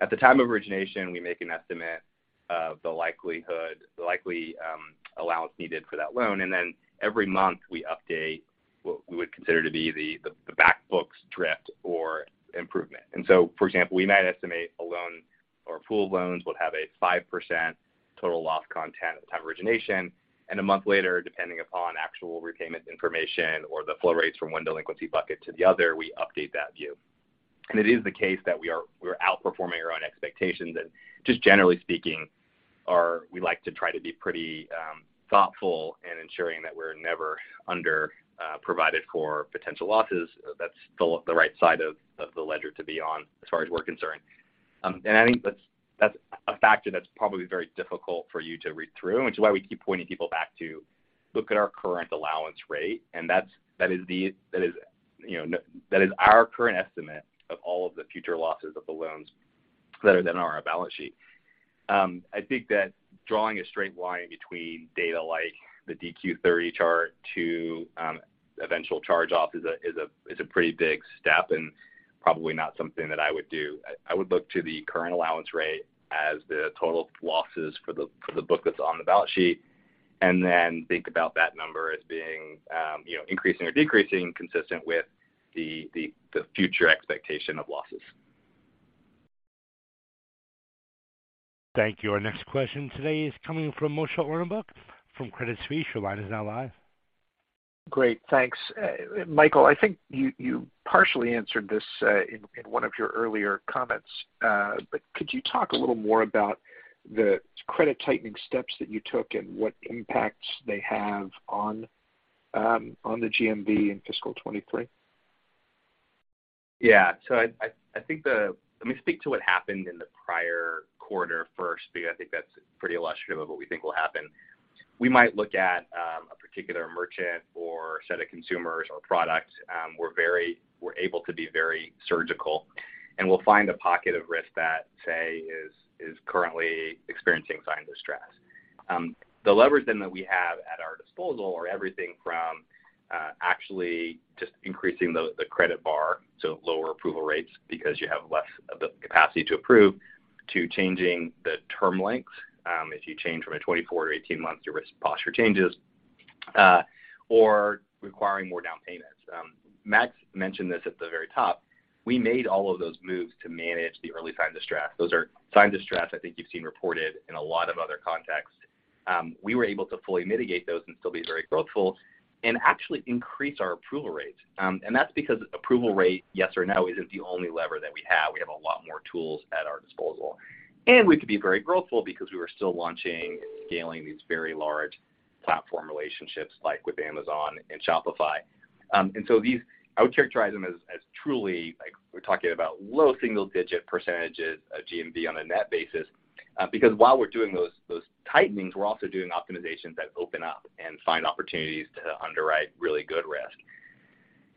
At the time of origination, we make an estimate of the likely allowance needed for that loan. Then every month we update what we would consider to be the back books drift or improvement. For example, we might estimate a loan or pool of loans would have a 5% total loss content at the time of origination. A month later, depending upon actual repayment information or the flow rates from one delinquency bucket to the other, we update that view. It is the case that we're outperforming our own expectations. Just generally speaking, we like to try to be pretty thoughtful in ensuring that we're never underprovided for potential losses. That's the right side of the ledger to be on as far as we're concerned. I think that's a factor that's probably very difficult for you to read through, which is why we keep pointing people back to look at our current allowance rate. That's our current estimate of all of the future losses of the loans that are then on our balance sheet. I think that drawing a straight line between data like the DQ 30 chart to eventual charge-off is a pretty big step and probably not something that I would do. I would look to the current allowance rate as the total losses for the book that's on the balance sheet, and then think about that number as being, you know, increasing or decreasing consistent with the future expectation of losses. Thank you. Our next question today is coming from Moshe Orenbuch from Credit Suisse. Your line is now live. Great. Thanks. Michael, I think you partially answered this in one of your earlier comments. Could you talk a little more about the credit tightening steps that you took and what impacts they have on the GMV in fiscal 2023? Yeah. I think. Let me speak to what happened in the prior quarter first, because I think that's pretty illustrative of what we think will happen. We might look at a particular merchant or set of consumers or products. We're able to be very surgical, and we'll find a pocket of risk that, say, is currently experiencing signs of stress. The leverage then that we have at our disposal are everything from actually just increasing the credit bar to lower approval rates because you have less of the capacity to approve, to changing the term lengths. If you change from a 24- to 18-month, your risk posture changes. Or requiring more down payments. Max mentioned this at the very top. We made all of those moves to manage the early signs of stress. Those are signs of stress I think you've seen reported in a lot of other contexts. We were able to fully mitigate those and still be very growthful and actually increase our approval rate. And that's because approval rate, yes or no, isn't the only lever that we have. We have a lot more tools at our disposal. We could be very growthful because we were still launching, scaling these very large platform relationships like with Amazon and Shopify. I would characterize them as truly like we're talking about low single-digit percentages of GMV on a net basis. Because while we're doing those tightenings, we're also doing optimizations that open up and find opportunities to underwrite really good risk.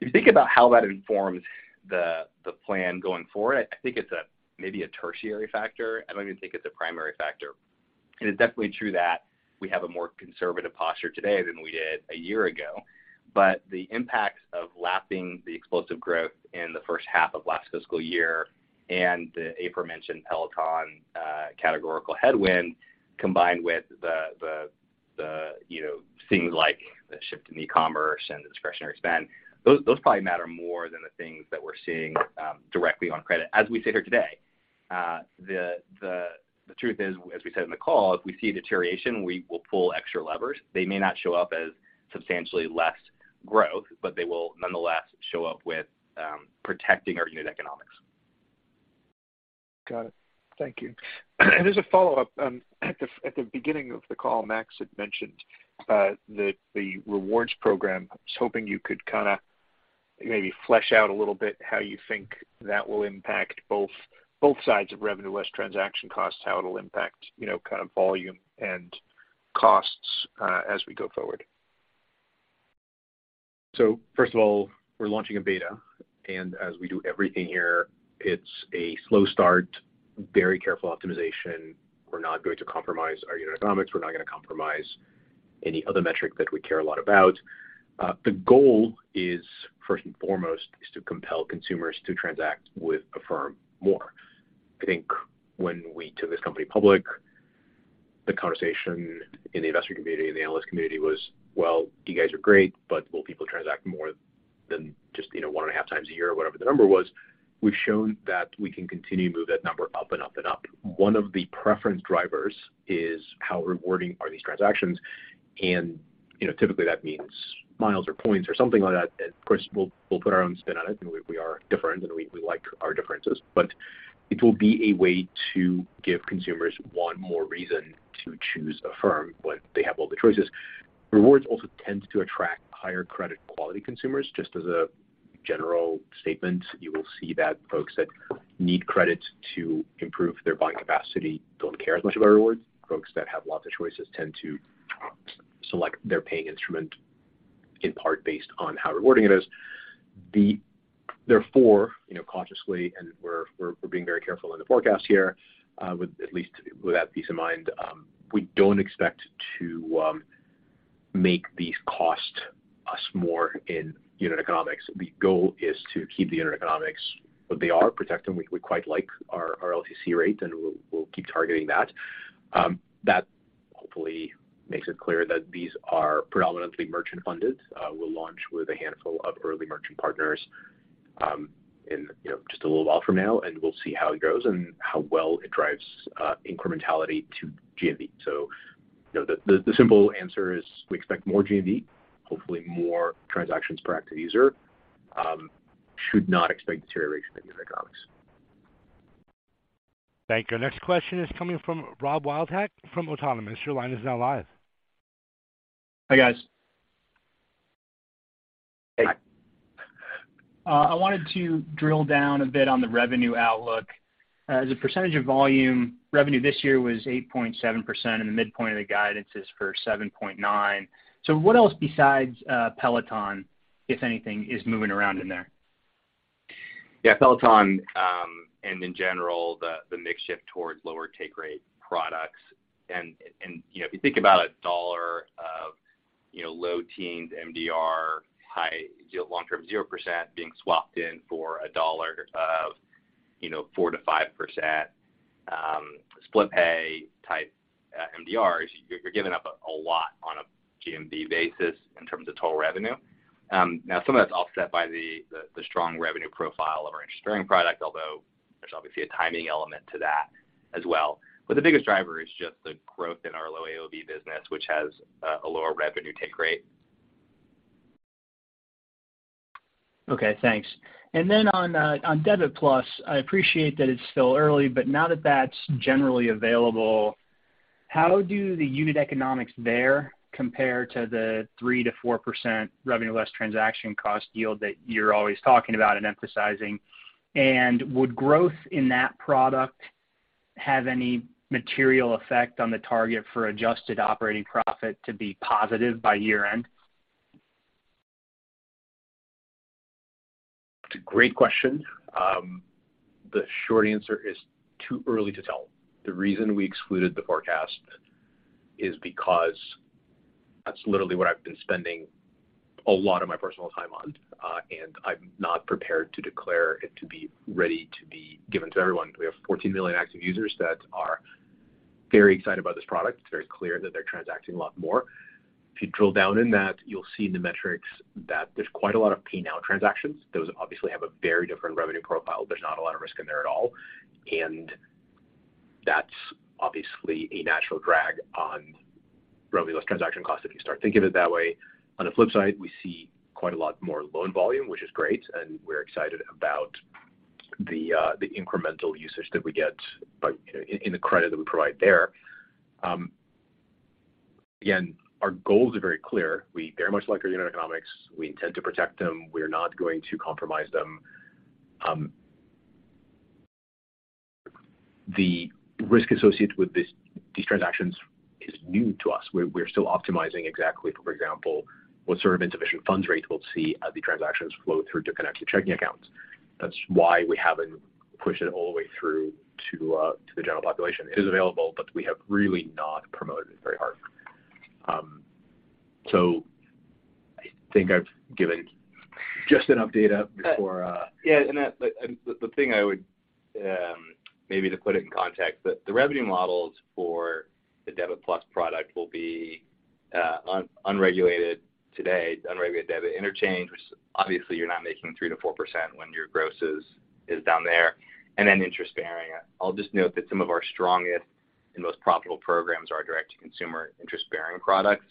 If you think about how that informs the plan going forward, I think it's maybe a tertiary factor. I don't even think it's a primary factor. It is definitely true that we have a more conservative posture today than we did a year ago. The impact of lapping the explosive growth in the first half of last fiscal year and the aforementioned Peloton categorical headwind, combined with the you know, things like the shift in e-commerce and discretionary spend, those probably matter more than the things that we're seeing directly on credit as we sit here today. The truth is, as we said in the call, if we see deterioration, we will pull extra levers. They may not show up as substantially less growth, but they will nonetheless show up with protecting our unit economics. Got it. Thank you. As a follow-up, at the beginning of the call, Max had mentioned the rewards program. I was hoping you could kind of maybe flesh out a little bit how you think that will impact both sides of revenue less transaction costs, how it'll impact, you know, kind of volume and costs as we go forward. First of all, we're launching a beta. As we do everything here, it's a slow start, very careful optimization. We're not going to compromise our unit economics. We're not gonna compromise any other metric that we care a lot about. The goal is, first and foremost, is to compel consumers to transact with Affirm more. I think when we took this company public, the conversation in the investor community and the analyst community was, "Well, you guys are great, but will people transact more than just, you know, 1.5 times a year?" Or whatever the number was. We've shown that we can continue to move that number up and up and up. One of the preference drivers is how rewarding are these transactions. You know, typically that means miles or points or something like that. Of course, we'll put our own spin on it, and we are different and we like our differences. It will be a way to give consumers one more reason to choose Affirm when they have all the choices. Rewards also tends to attract higher credit quality consumers. Just as a general statement, you will see that folks that need credit to improve their buying capacity don't care as much about rewards. Folks that have lots of choices tend to select their paying instrument in part based on how rewarding it is. Therefore, you know, consciously and we're being very careful in the forecast here, with at least that peace of mind, we don't expect to make these cost us more in unit economics. The goal is to keep the unit economics where they are, protect them. We quite like our RLTC rate, and we'll keep targeting that. That hopefully makes it clear that these are predominantly merchant-funded. We'll launch with a handful of early merchant partners, you know, just a little while from now, and we'll see how it goes and how well it drives incrementality to GMV. You know, the simple answer is we expect more GMV, hopefully more transactions per active user. You should not expect deterioration in unit economics. Thank you. Next question is coming from Rob Wildhack from Autonomous. Your line is now live. Hi, guys. Hey. I wanted to drill down a bit on the revenue outlook. As a percentage of volume, revenue this year was 8.7%, and the midpoint of the guidance is for 7.9%. What else besides Peloton, if anything, is moving around in there? Yeah, Peloton and in general, the mix shift towards lower take rate products. You know, if you think about $1 of low teens MDR, high long-term 0% being swapped in for $1 of 4%-5% Split Pay-type MDRs, you're giving up a lot on a GMV basis in terms of total revenue. Now some of that's offset by the strong revenue profile of our interest-bearing product, although there's obviously a timing element to that as well. The biggest driver is just the growth in our low AOV business, which has a lower revenue take rate. Okay, thanks. On Debit+, I appreciate that it's still early, but now that that's generally available, how do the unit economics there compare to the 3%-4% revenue less transaction cost yield that you're always talking about and emphasizing? Would growth in that product have any material effect on the target for adjusted operating profit to be positive by year-end? It's a great question. The short answer is too early to tell. The reason we excluded the forecast is because that's literally what I've been spending a lot of my personal time on, and I'm not prepared to declare it to be ready to be given to everyone. We have 14 million active users that are very excited about this product. It's very clear that they're transacting a lot more. If you drill down in that, you'll see in the metrics that there's quite a lot of pay now transactions. Those obviously have a very different revenue profile. There's not a lot of risk in there at all, and that's obviously a natural drag on revenue less transaction costs if you start thinking of it that way. On the flip side, we see quite a lot more loan volume, which is great, and we're excited about the incremental usage that we get by incurring the credit that we provide there. Again, our goals are very clear. We very much like our unit economics. We intend to protect them. We're not going to compromise them. The risk associated with these transactions is new to us. We're still optimizing exactly, for example, what sort of insufficient funds rates we'll see as the transactions flow through to connected checking accounts. That's why we haven't pushed it all the way through to the general population. It is available, but we have really not promoted it very hard. I think I've given just enough data before. The thing I would maybe to put it in context, the revenue models for the Debit+ product will be unregulated today, unregulated debit interchange. Obviously, you're not making 3%-4% when your gross is down there and then interest-bearing. I'll just note that some of our strongest and most profitable programs are direct-to-consumer interest-bearing products.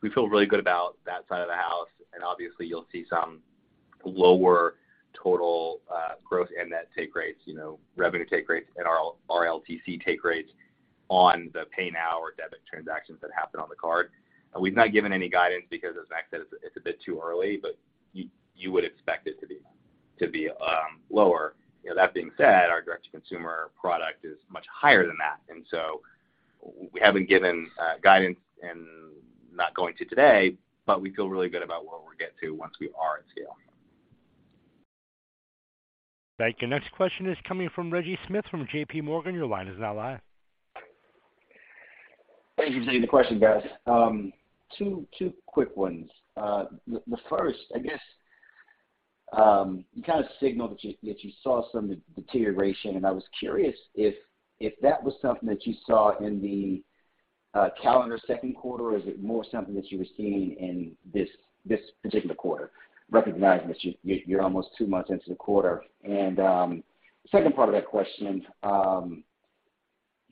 We feel really good about that side of the house, and obviously, you'll see some lower total gross and net take rates, you know, revenue take rates and our RLTC take rates on the pay now or debit transactions that happen on the card. We've not given any guidance because as Max said, it's a bit too early, but you would expect it to be lower. You know, that being said, our direct-to-consumer product is much higher than that. We haven't given guidance and not going to today, but we feel really good about where we'll get to once we are at scale. Thank you. Next question is coming from Reggie Smith from JPMorgan. Your line is now live. Thank you. The question, guys. Two quick ones. The first, I guess, you kind of signaled that you saw some deterioration, and I was curious if that was something that you saw in the calendar second quarter, or is it more something that you were seeing in this particular quarter, recognizing that you're almost two months into the quarter? Second part of that question,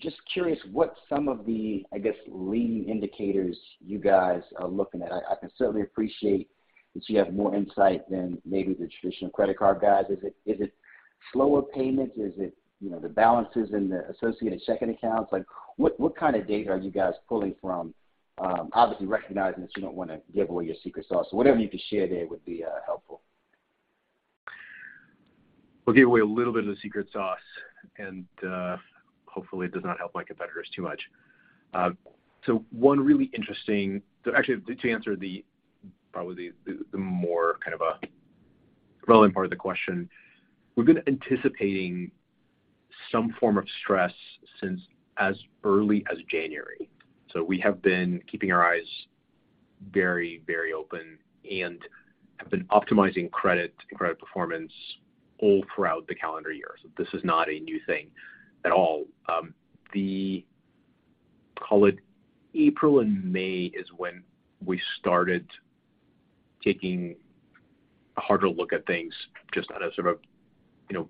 just curious what some of the leading indicators you guys are looking at. I can certainly appreciate that you have more insight than maybe the traditional credit card guys. Is it slower payments? Is it the balances in the associated checking accounts? Like, what kind of data are you guys pulling from? Obviously recognizing that you don't wanna give away your secret sauce. Whatever you can share there would be helpful. We'll give away a little bit of the secret sauce, and hopefully it does not help my competitors too much. Actually to answer the, probably the more kind of, relevant part of the question, we've been anticipating some form of stress since as early as January. We have been keeping our eyes very, very open and have been optimizing credit and credit performance all throughout the calendar year. This is not a new thing at all. Call it April and May is when we started taking a harder look at things, just out of sort of, you know,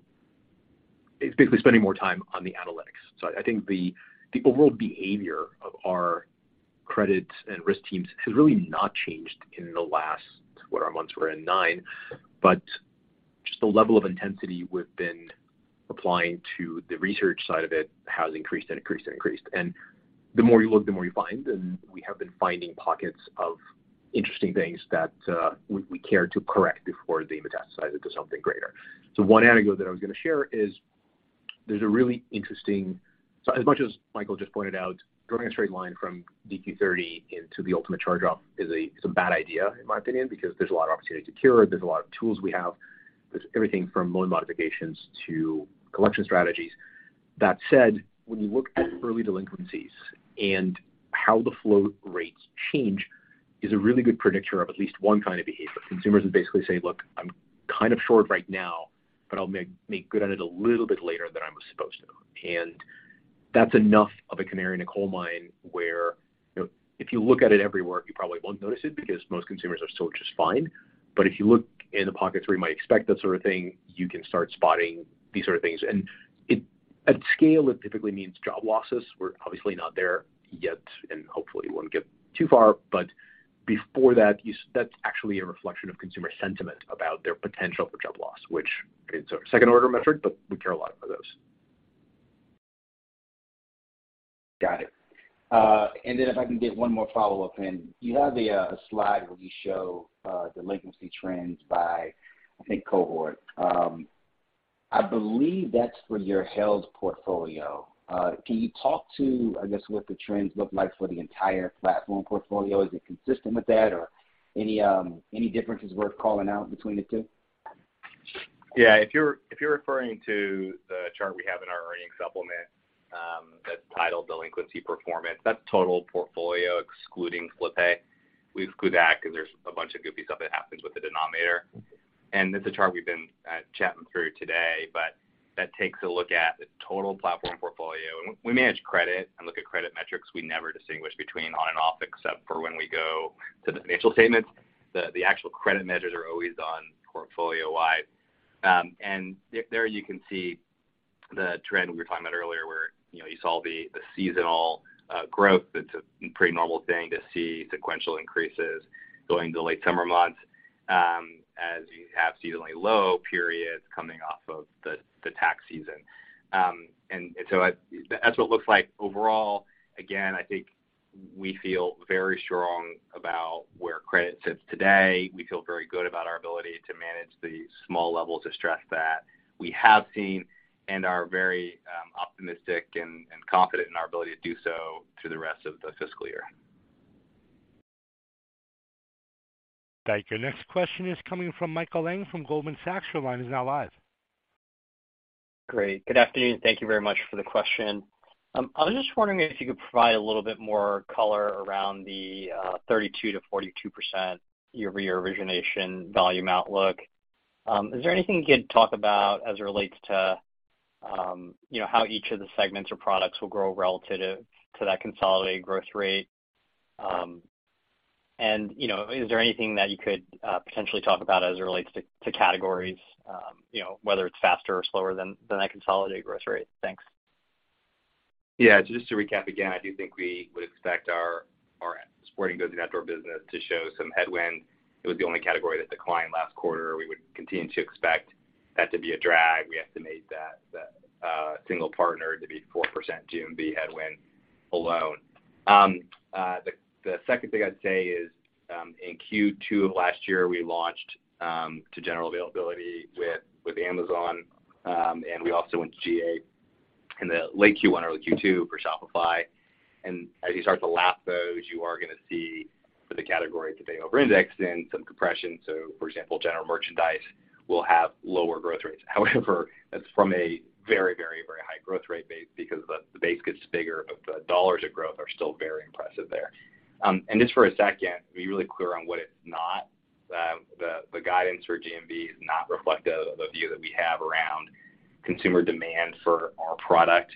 basically spending more time on the analytics. I think the overall behavior of our credit and risk teams has really not changed in the last four months. We're in nine. Just the level of intensity we've been applying to the research side of it has increased and increased and increased. The more you look, the more you find, and we have been finding pockets of interesting things that we care to correct before they metastasize into something greater. One anecdote that I was gonna share is as much as Michael just pointed out, drawing a straight line from DQ 30 into the ultimate charge-off is a bad idea, in my opinion, because there's a lot of opportunity to cure. There's a lot of tools we have. There's everything from loan modifications to collection strategies. That said, when you look at early delinquencies and how the flow rates change is a really good predictor of at least one kind of behavior. Consumers who basically say, "Look, I'm kind of short right now, but I'll make good on it a little bit later than I was supposed to." That's enough of a canary in a coal mine where, you know, if you look at it everywhere, you probably won't notice it because most consumers are still just fine. If you look in the pockets where you might expect that sort of thing, you can start spotting these sort of things. It at scale, it typically means job losses. We're obviously not there yet, and hopefully it won't get too far. Before that's actually a reflection of consumer sentiment about their potential for job loss, which it's a second-order metric, but we care a lot about those. Got it. If I can get one more follow-up in. You have a slide where you show delinquency trends by, I think, cohort. I believe that's for your held portfolio. Can you talk to, I guess, what the trends look like for the entire platform portfolio? Is it consistent with that or any differences worth calling out between the two? Yeah. If you're referring to the chart we have in our earnings supplement, that's titled Delinquency Performance, that's total portfolio excluding Split Pay. We exclude that because there's a bunch of goopy stuff that happens with the denominator. It's a chart we've been chatting through today. That takes a look at the total platform portfolio. When we manage credit and look at credit metrics, we never distinguish between on and off, except for when we go to the financial statements. The actual credit measures are always on portfolio-wide. If there you can see the trend we were talking about earlier, where you know you saw the seasonal growth. It's a pretty normal thing to see sequential increases going into late summer months, as you have seasonally low periods coming off of the tax season. That's what it looks like overall. Again, I think we feel very strong about where credit sits today. We feel very good about our ability to manage the small levels of stress that we have seen and are very optimistic and confident in our ability to do so through the rest of the fiscal year. Thank you. Next question is coming from Michael Ng from Goldman Sachs. Your line is now live. Great. Good afternoon. Thank you very much for the question. I was just wondering if you could provide a little bit more color around the 32%-42% year-over-year origination volume outlook. Is there anything you could talk about as it relates to, you know, how each of the segments or products will grow relative to that consolidated growth rate? You know, is there anything that you could potentially talk about as it relates to categories, you know, whether it's faster or slower than that consolidated growth rate? Thanks. Yeah. Just to recap again, I do think we would expect our sporting goods and outdoor business to show some headwind. It was the only category that declined last quarter. We would continue to expect that to be a drag. We estimate that single partner to be 4% GMV headwind alone. The second thing I'd say is, in Q2 of last year, we launched to general availability with Amazon. We also went to GA in the late Q1, early Q2 for Shopify. As you start to lap those, you are gonna see the categories that they over-indexed in some compression. For example, general merchandise will have lower growth rates. However, that's from a very, very, very high growth rate base because the base gets bigger, but the dollars of growth are still very impressive there. Just for a second, to be really clear on what it's not. The guidance for GMV is not reflective of the view that we have around consumer demand for our product.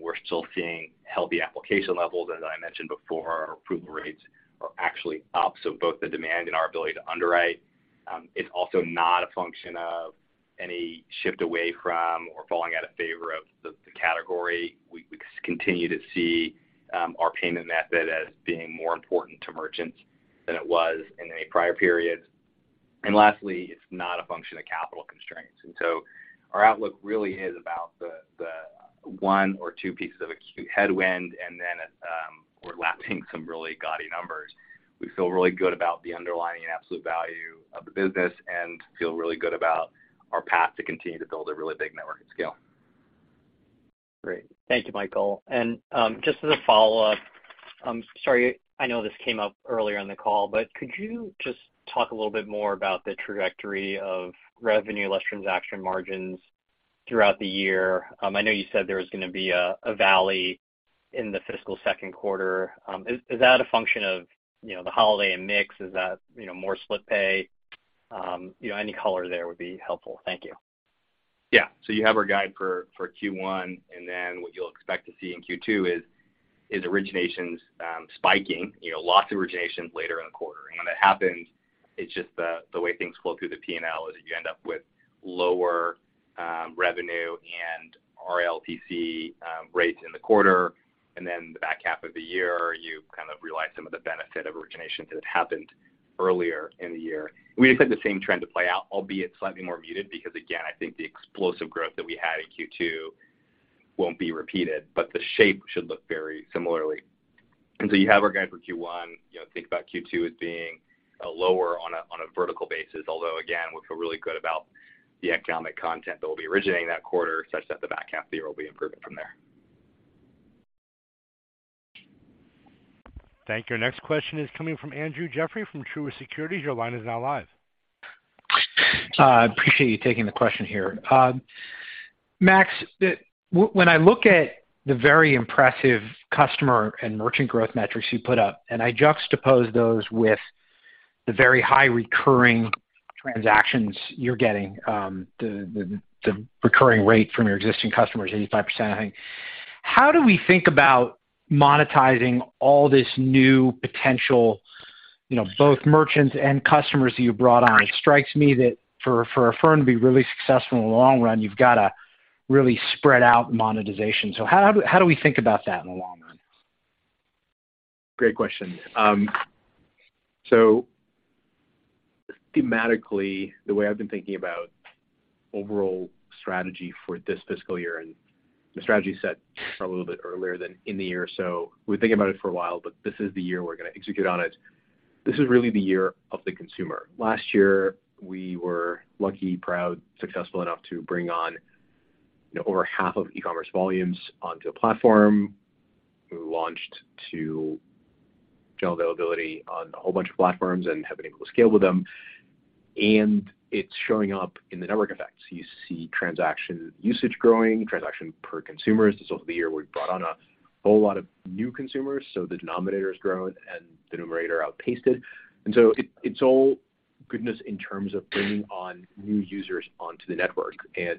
We're still seeing healthy application levels. As I mentioned before, our approval rates are actually up, so both the demand and our ability to underwrite. It's also not a function of any shift away from or falling out of favor of the category. We continue to see our payment method as being more important to merchants than it was in any prior periods. Lastly, it's not a function of capital constraints. Our outlook really is about the one or two pieces of acute headwind and seeing some really gaudy numbers. We feel really good about the underlying and absolute value of the business and feel really good about our path to continue to build a really big network and scale. Great. Thank you, Michael. Just as a follow-up, I'm sorry, I know this came up earlier in the call, but could you just talk a little bit more about the trajectory of revenue less transaction margins throughout the year? I know you said there was gonna be a valley in the fiscal second quarter. Is that a function of, you know, the holiday and mix? Is that, you know, more Split Pay? You know, any color there would be helpful. Thank you. Yeah. You have our guide for Q1, and then what you'll expect to see in Q2 is originations spiking, you know, lots of originations later in the quarter. When that happens, it's just the way things flow through the P&L is you end up with lower revenue and RLTC rates in the quarter. Then the back half of the year, you kind of realize some of the benefit of originations that happened earlier in the year. We expect the same trend to play out, albeit slightly more muted, because again, I think the explosive growth that we had in Q2 won't be repeated, but the shape should look very similarly. You have our guide for Q1. You know, think about Q2 as being lower on a vertical basis, although again, we feel really good about the economic content that we'll be originating that quarter such that the back half of the year will be improving from there. Thank you. Next question is coming from Andrew Jeffrey from Truist Securities. Your line is now live. Appreciate you taking the question here. Max, when I look at the very impressive customer and merchant growth metrics you put up, and I juxtapose those with the very high recurring transactions you're getting, the recurring rate from your existing customers, 85%, I think. How do we think about monetizing all this new potential, you know, both merchants and customers that you brought on? It strikes me that for Affirm to be really successful in the long run, you've got to really spread out monetization. How do we think about that in the long run? Great question. Thematically, the way I've been thinking about overall strategy for this fiscal year, and the strategy set a little bit earlier than in the year, so we've been thinking about it for a while, but this is the year we're gonna execute on it. This is really the year of the consumer. Last year, we were lucky, proud, successful enough to bring on over half of e-commerce volumes onto the platform. We launched to general availability on a whole bunch of platforms and have an equal scale with them, and it's showing up in the network effects. You see transaction usage growing, transaction per consumer. This was the year we brought on a whole lot of new consumers, so the denominator has grown and the numerator outpaced it. It, it's all goodness in terms of bringing on new users onto the network.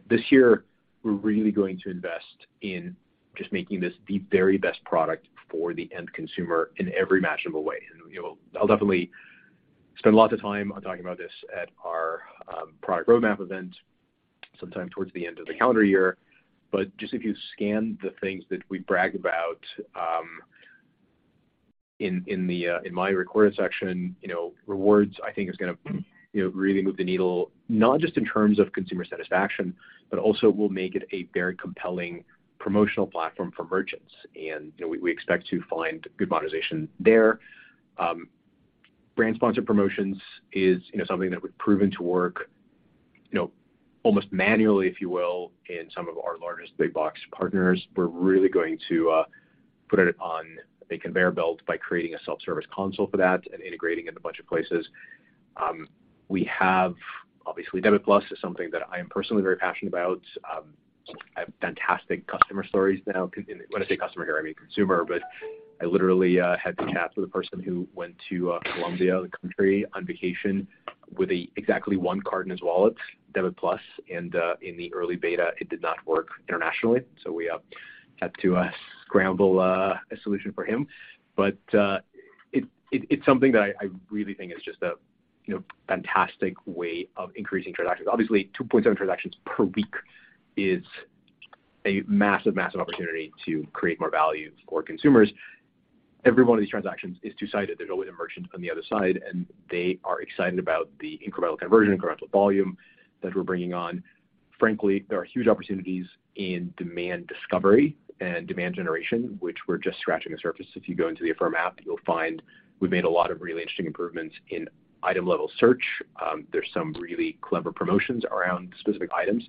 This year we're really going to invest in just making this the very best product for the end consumer in every imaginable way. I'll definitely spend lots of time on talking about this at our product roadmap event sometime towards the end of the calendar year. Just if you scan the things that we brag about in my recorded section, you know, rewards, I think, is gonna, you know, really move the needle, not just in terms of consumer satisfaction, but also will make it a very compelling promotional platform for merchants. You know, we expect to find good monetization there. Brand sponsored promotions is, you know, something that we've proven to work, you know, almost manually, if you will, in some of our largest big box partners. We're really going to put it on a conveyor belt by creating a self-service console for that and integrating it in a bunch of places. We have obviously Debit+ is something that I am personally very passionate about. I have fantastic customer stories now. When I say customer here, I mean consumer, but I literally had the chat with a person who went to Colombia, the country, on vacation with exactly one card in his wallet, Debit+. In the early beta, it did not work internationally, so we had to scramble a solution for him. It's something that I really think is just a, you know, fantastic way of increasing transactions. Obviously, 2.7 transactions per week is a massive opportunity to create more value for consumers. Every one of these transactions is two-sided. There's always a merchant on the other side, and they are excited about the incremental conversion, incremental volume that we're bringing on. Frankly, there are huge opportunities in demand discovery and demand generation, which we're just scratching the surface. If you go into the Affirm app, you'll find we've made a lot of really interesting improvements in item-level search. There's some really clever promotions around specific items.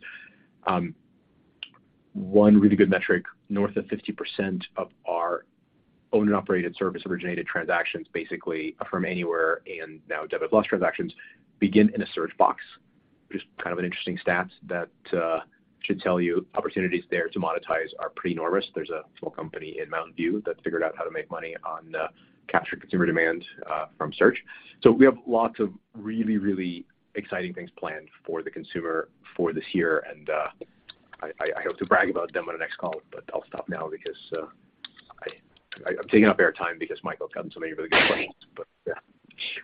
One really good metric, north of 50% of our owned and operated service originated transactions, basically Affirm Anywhere and now Debit+ transactions begin in a search box, which is kind of an interesting stat that should tell you opportunities there to monetize are pretty enormous. There's a small company in Mountain View that figured out how to make money on capturing consumer demand from search. We have lots of really, really exciting things planned for the consumer for this year. I hope to brag about them on the next call, but I'll stop now because I'm taking up air time because Michael tells me some of you have other questions. Yeah.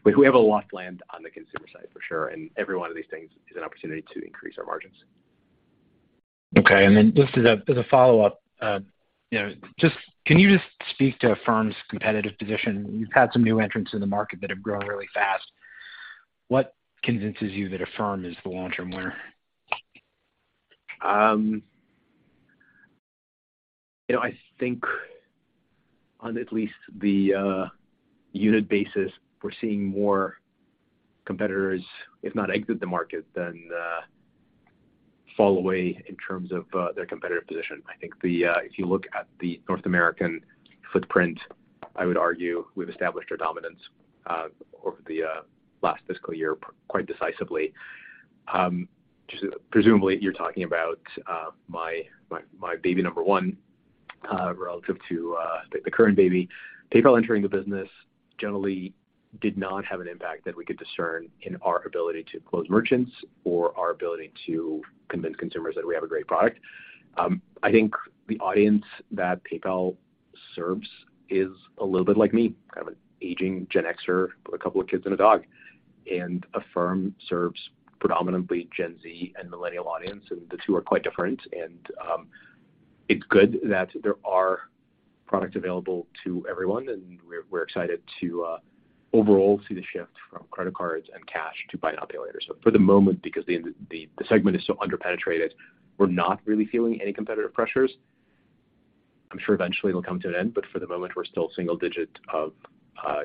We have a lot planned on the consumer side for sure, and every one of these things is an opportunity to increase our margins. Okay. Just as a follow-up, you know, just can you just speak to Affirm's competitive position? You've had some new entrants in the market that have grown really fast. What convinces you that Affirm is the long-term winner? You know, I think on at least the unit basis, we're seeing more competitors, if not exit the market, then fall away in terms of their competitive position. I think if you look at the North American footprint, I would argue we've established our dominance over the last fiscal year quite decisively. Presumably you're talking about my baby number one relative to the current baby. PayPal entering the business generally did not have an impact that we could discern in our ability to close merchants or our ability to convince consumers that we have a great product. I think the audience that PayPal serves is a little bit like me, kind of an aging Gen X-er with a couple of kids and a dog. Affirm serves predominantly Gen Z and millennial audience, and the two are quite different. It's good that there are products available to everyone, and we're excited to overall see the shift from credit cards and cash to buy now, pay later. For the moment, because the segment is so under-penetrated, we're not really feeling any competitive pressures. I'm sure eventually it'll come to an end, but for the moment, we're still single digit of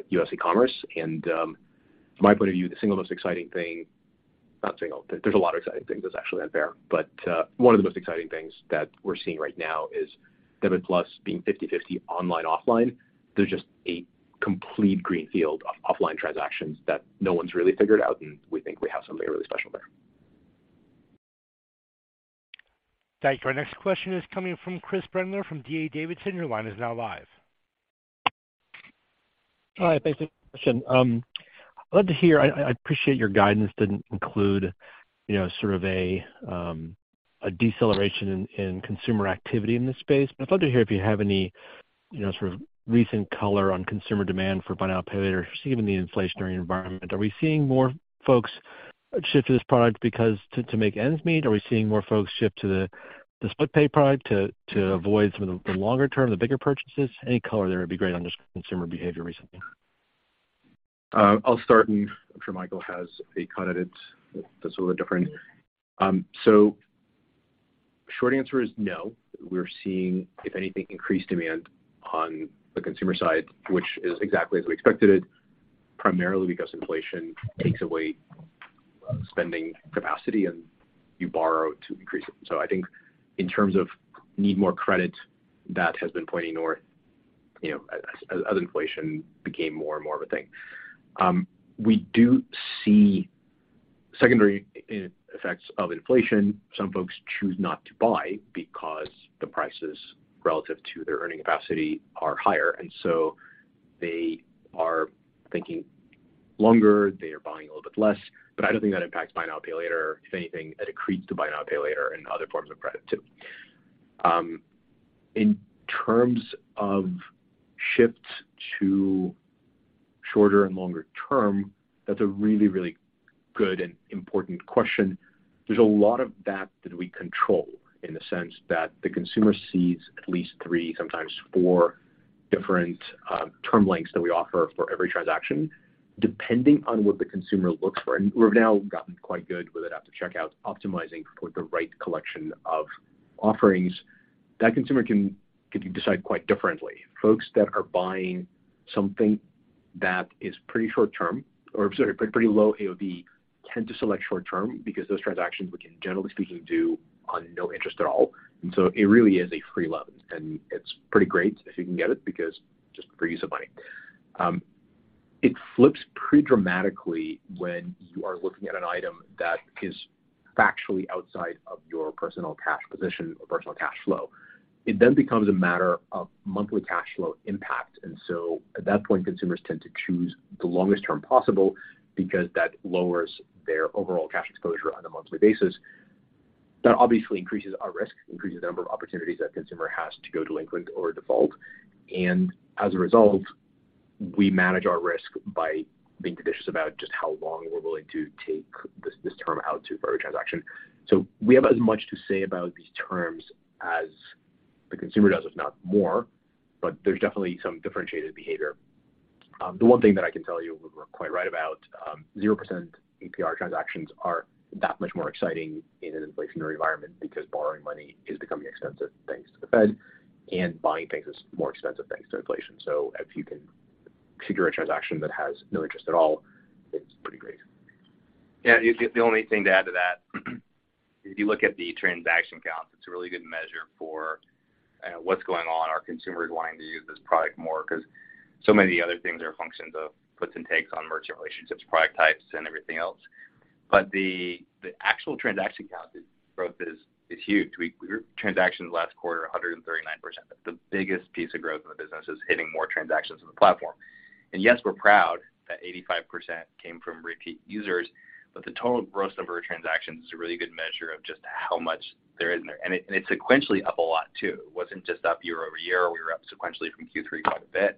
U.S. e-commerce. From my point of view, the single most exciting thing. Not single. There's a lot of exciting things. That's actually unfair. But one of the most exciting things that we're seeing right now is Debit+ being 50/50 online, offline. There's just a complete green field of offline transactions that no one's really figured out, and we think we have something really special there. Thank you. Our next question is coming from Chris Brendler from D.A. Davidson. Your line is now live. Hi. Thanks for the question. I'd love to hear. I appreciate your guidance didn't include, you know, sort of a deceleration in consumer activity in this space. I'd love to hear if you have any, you know, sort of recent color on consumer demand for buy now, pay later, given the inflationary environment. Are we seeing more folks shift to this product to make ends meet? Are we seeing more folks shift to the Split Pay product to avoid some of the longer term, the bigger purchases? Any color there would be great on just consumer behavior recently. I'll start, and I'm sure Michael has a cut at it that's a little different. Short answer is no. We're seeing, if anything, increased demand on the consumer side, which is exactly as we expected it, primarily because inflation takes away spending capacity and you borrow to increase it. I think in terms of need more credit, that has been pointing north, you know, as inflation became more and more of a thing. We do see secondary effects of inflation. Some folks choose not to buy because the prices relative to their earning capacity are higher, and so they are thinking longer. They are buying a little bit less. I don't think that impacts buy now, pay later. If anything, it accretes to buy now, pay later and other forms of credit too. In terms of shifts to shorter and longer term, that's a really, really good and important question. There's a lot of that we control in the sense that the consumer sees at least three, sometimes four different term lengths that we offer for every transaction, depending on what the consumer looks for. We've now gotten quite good with it at the checkout, optimizing for the right collection of offerings. That consumer can decide quite differently. Folks that are buying something that is pretty short term or pretty low AOV tend to select short term because those transactions we can, generally speaking, do on no interest at all. It really is a free loan, and it's pretty great if you can get it because just free use of money. It flips pretty dramatically when you are looking at an item that is factually outside of your personal cash position or personal cash flow. It then becomes a matter of monthly cash flow impact. At that point, consumers tend to choose the longest term possible because that lowers their overall cash exposure on a monthly basis. That obviously increases our risk, increases the number of opportunities that consumer has to go delinquent or default. As a result, we manage our risk by being judicious about just how long we're willing to take this term out to for a transaction. We have as much to say about these terms as the consumer does, if not more. There's definitely some differentiated behavior. The one thing that I can tell you we're quite right about, 0% APR transactions are that much more exciting in an inflationary environment because borrowing money is becoming expensive, thanks to the Fed, and buying things is more expensive, thanks to inflation. If you can figure a transaction that has no interest at all, it's pretty great. Yeah. The only thing to add to that, if you look at the transaction counts, it's a really good measure for what's going on. Are consumers wanting to use this product more? 'Cause so many of the other things are functions of puts and takes on merchant relationships, product types, and everything else. The actual transaction count growth is huge. Transactions last quarter, 139%. The biggest piece of growth in the business is hitting more transactions on the platform. And yes, we're proud that 85% came from repeat users, but the total gross number of transactions is a really good measure of just how much there is in there. And it's sequentially up a lot too. It wasn't just up year-over-year. We were up sequentially from Q3 quite a bit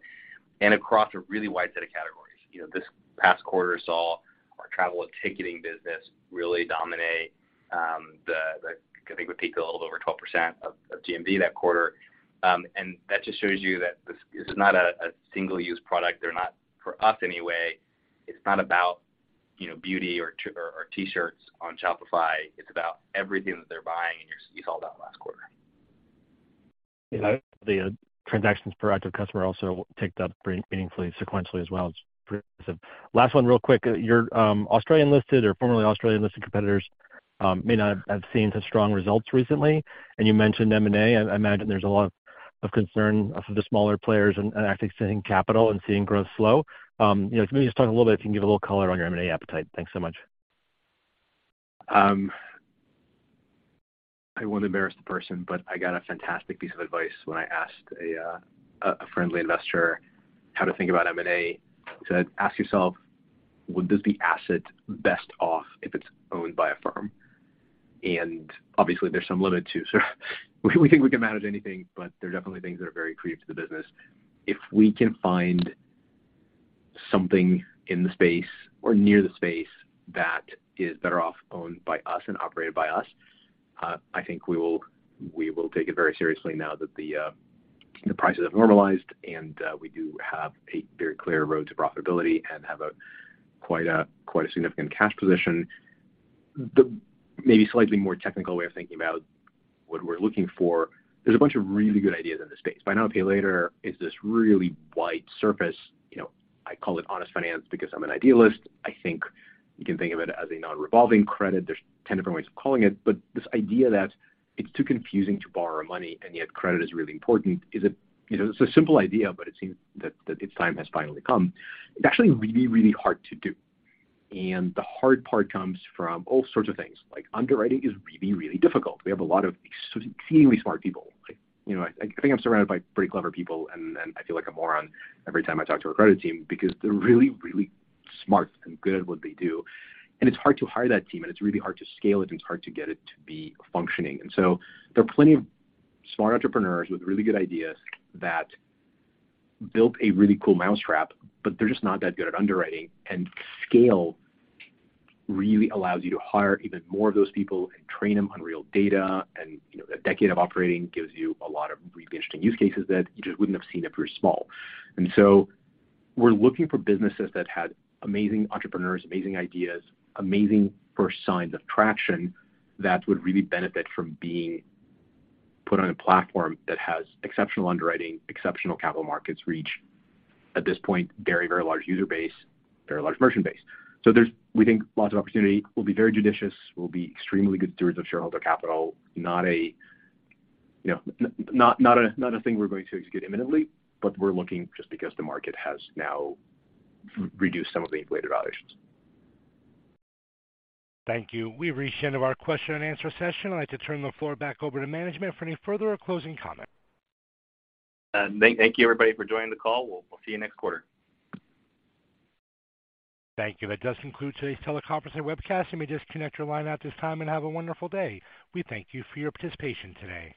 and across a really wide set of categories. You know, this past quarter saw our travel and ticketing business really dominate. I think it would peak a little over 12% of GMV that quarter. And that just shows you that this is not a single-use product. For us anyway, it's not about- You know, beauty or t-shirts on Shopify. It's about everything that they're buying, and you called out last quarter. Yeah. The transactions per active customer also ticked up pretty meaningfully sequentially as well. Last one real quick. Your Australian-listed or formerly Australian-listed competitors may not have seen such strong results recently, and you mentioned M&A. I imagine there's a lot of concern for the smaller players and actually extending capital and seeing growth slow. You know, can you just talk a little bit, if you can give a little color on your M&A appetite. Thanks so much. I won't embarrass the person, but I got a fantastic piece of advice when I asked a friendly investor how to think about M&A. He said, "Ask yourself, would this asset be best off if it's owned by a firm?" Obviously there's some limit too, so we think we can manage anything, but there are definitely things that are very accretive to the business. If we can find something in the space or near the space that is better off owned by us and operated by us, I think we will take it very seriously now that the prices have normalized and we do have a very clear road to profitability and have quite a significant cash position. The maybe slightly more technical way of thinking about what we're looking for, there's a bunch of really good ideas in this space. Buy Now, Pay Later is this really wide surface, you know, I call it honest finance because I'm an idealist. I think you can think of it as a non-revolving credit. There's 10 different ways of calling it. This idea that it's too confusing to borrow money and yet credit is really important is a. You know, it's a simple idea, but it seems that that its time has finally come. It's actually really, really hard to do. The hard part comes from all sorts of things, like underwriting is really, really difficult. We have a lot of exceedingly smart people. Like, you know, I think I'm surrounded by pretty clever people, and I feel like a moron every time I talk to our credit team because they're really smart and good at what they do. It's hard to hire that team, and it's really hard to scale it, and it's hard to get it to be functioning. There are plenty of smart entrepreneurs with really good ideas that built a really cool mousetrap, but they're just not that good at underwriting. Scale really allows you to hire even more of those people and train them on real data. You know, a decade of operating gives you a lot of really interesting use cases that you just wouldn't have seen if you're small. We're looking for businesses that had amazing entrepreneurs, amazing ideas, amazing first signs of traction that would really benefit from being put on a platform that has exceptional underwriting, exceptional capital markets reach. At this point, very, very large user base, very large merchant base. There's, we think, lots of opportunity. We'll be very judicious. We'll be extremely good stewards of shareholder capital. Not a, you know, not a thing we're going to execute imminently, but we're looking just because the market has now reduced some of the inflated valuations. Thank you. We've reached the end of our question and answer session. I'd like to turn the floor back over to management for any further closing comments. Thank you everybody for joining the call. We'll see you next quarter. Thank you. That does conclude today's teleconference and webcast. You may disconnect your line at this time and have a wonderful day. We thank you for your participation today.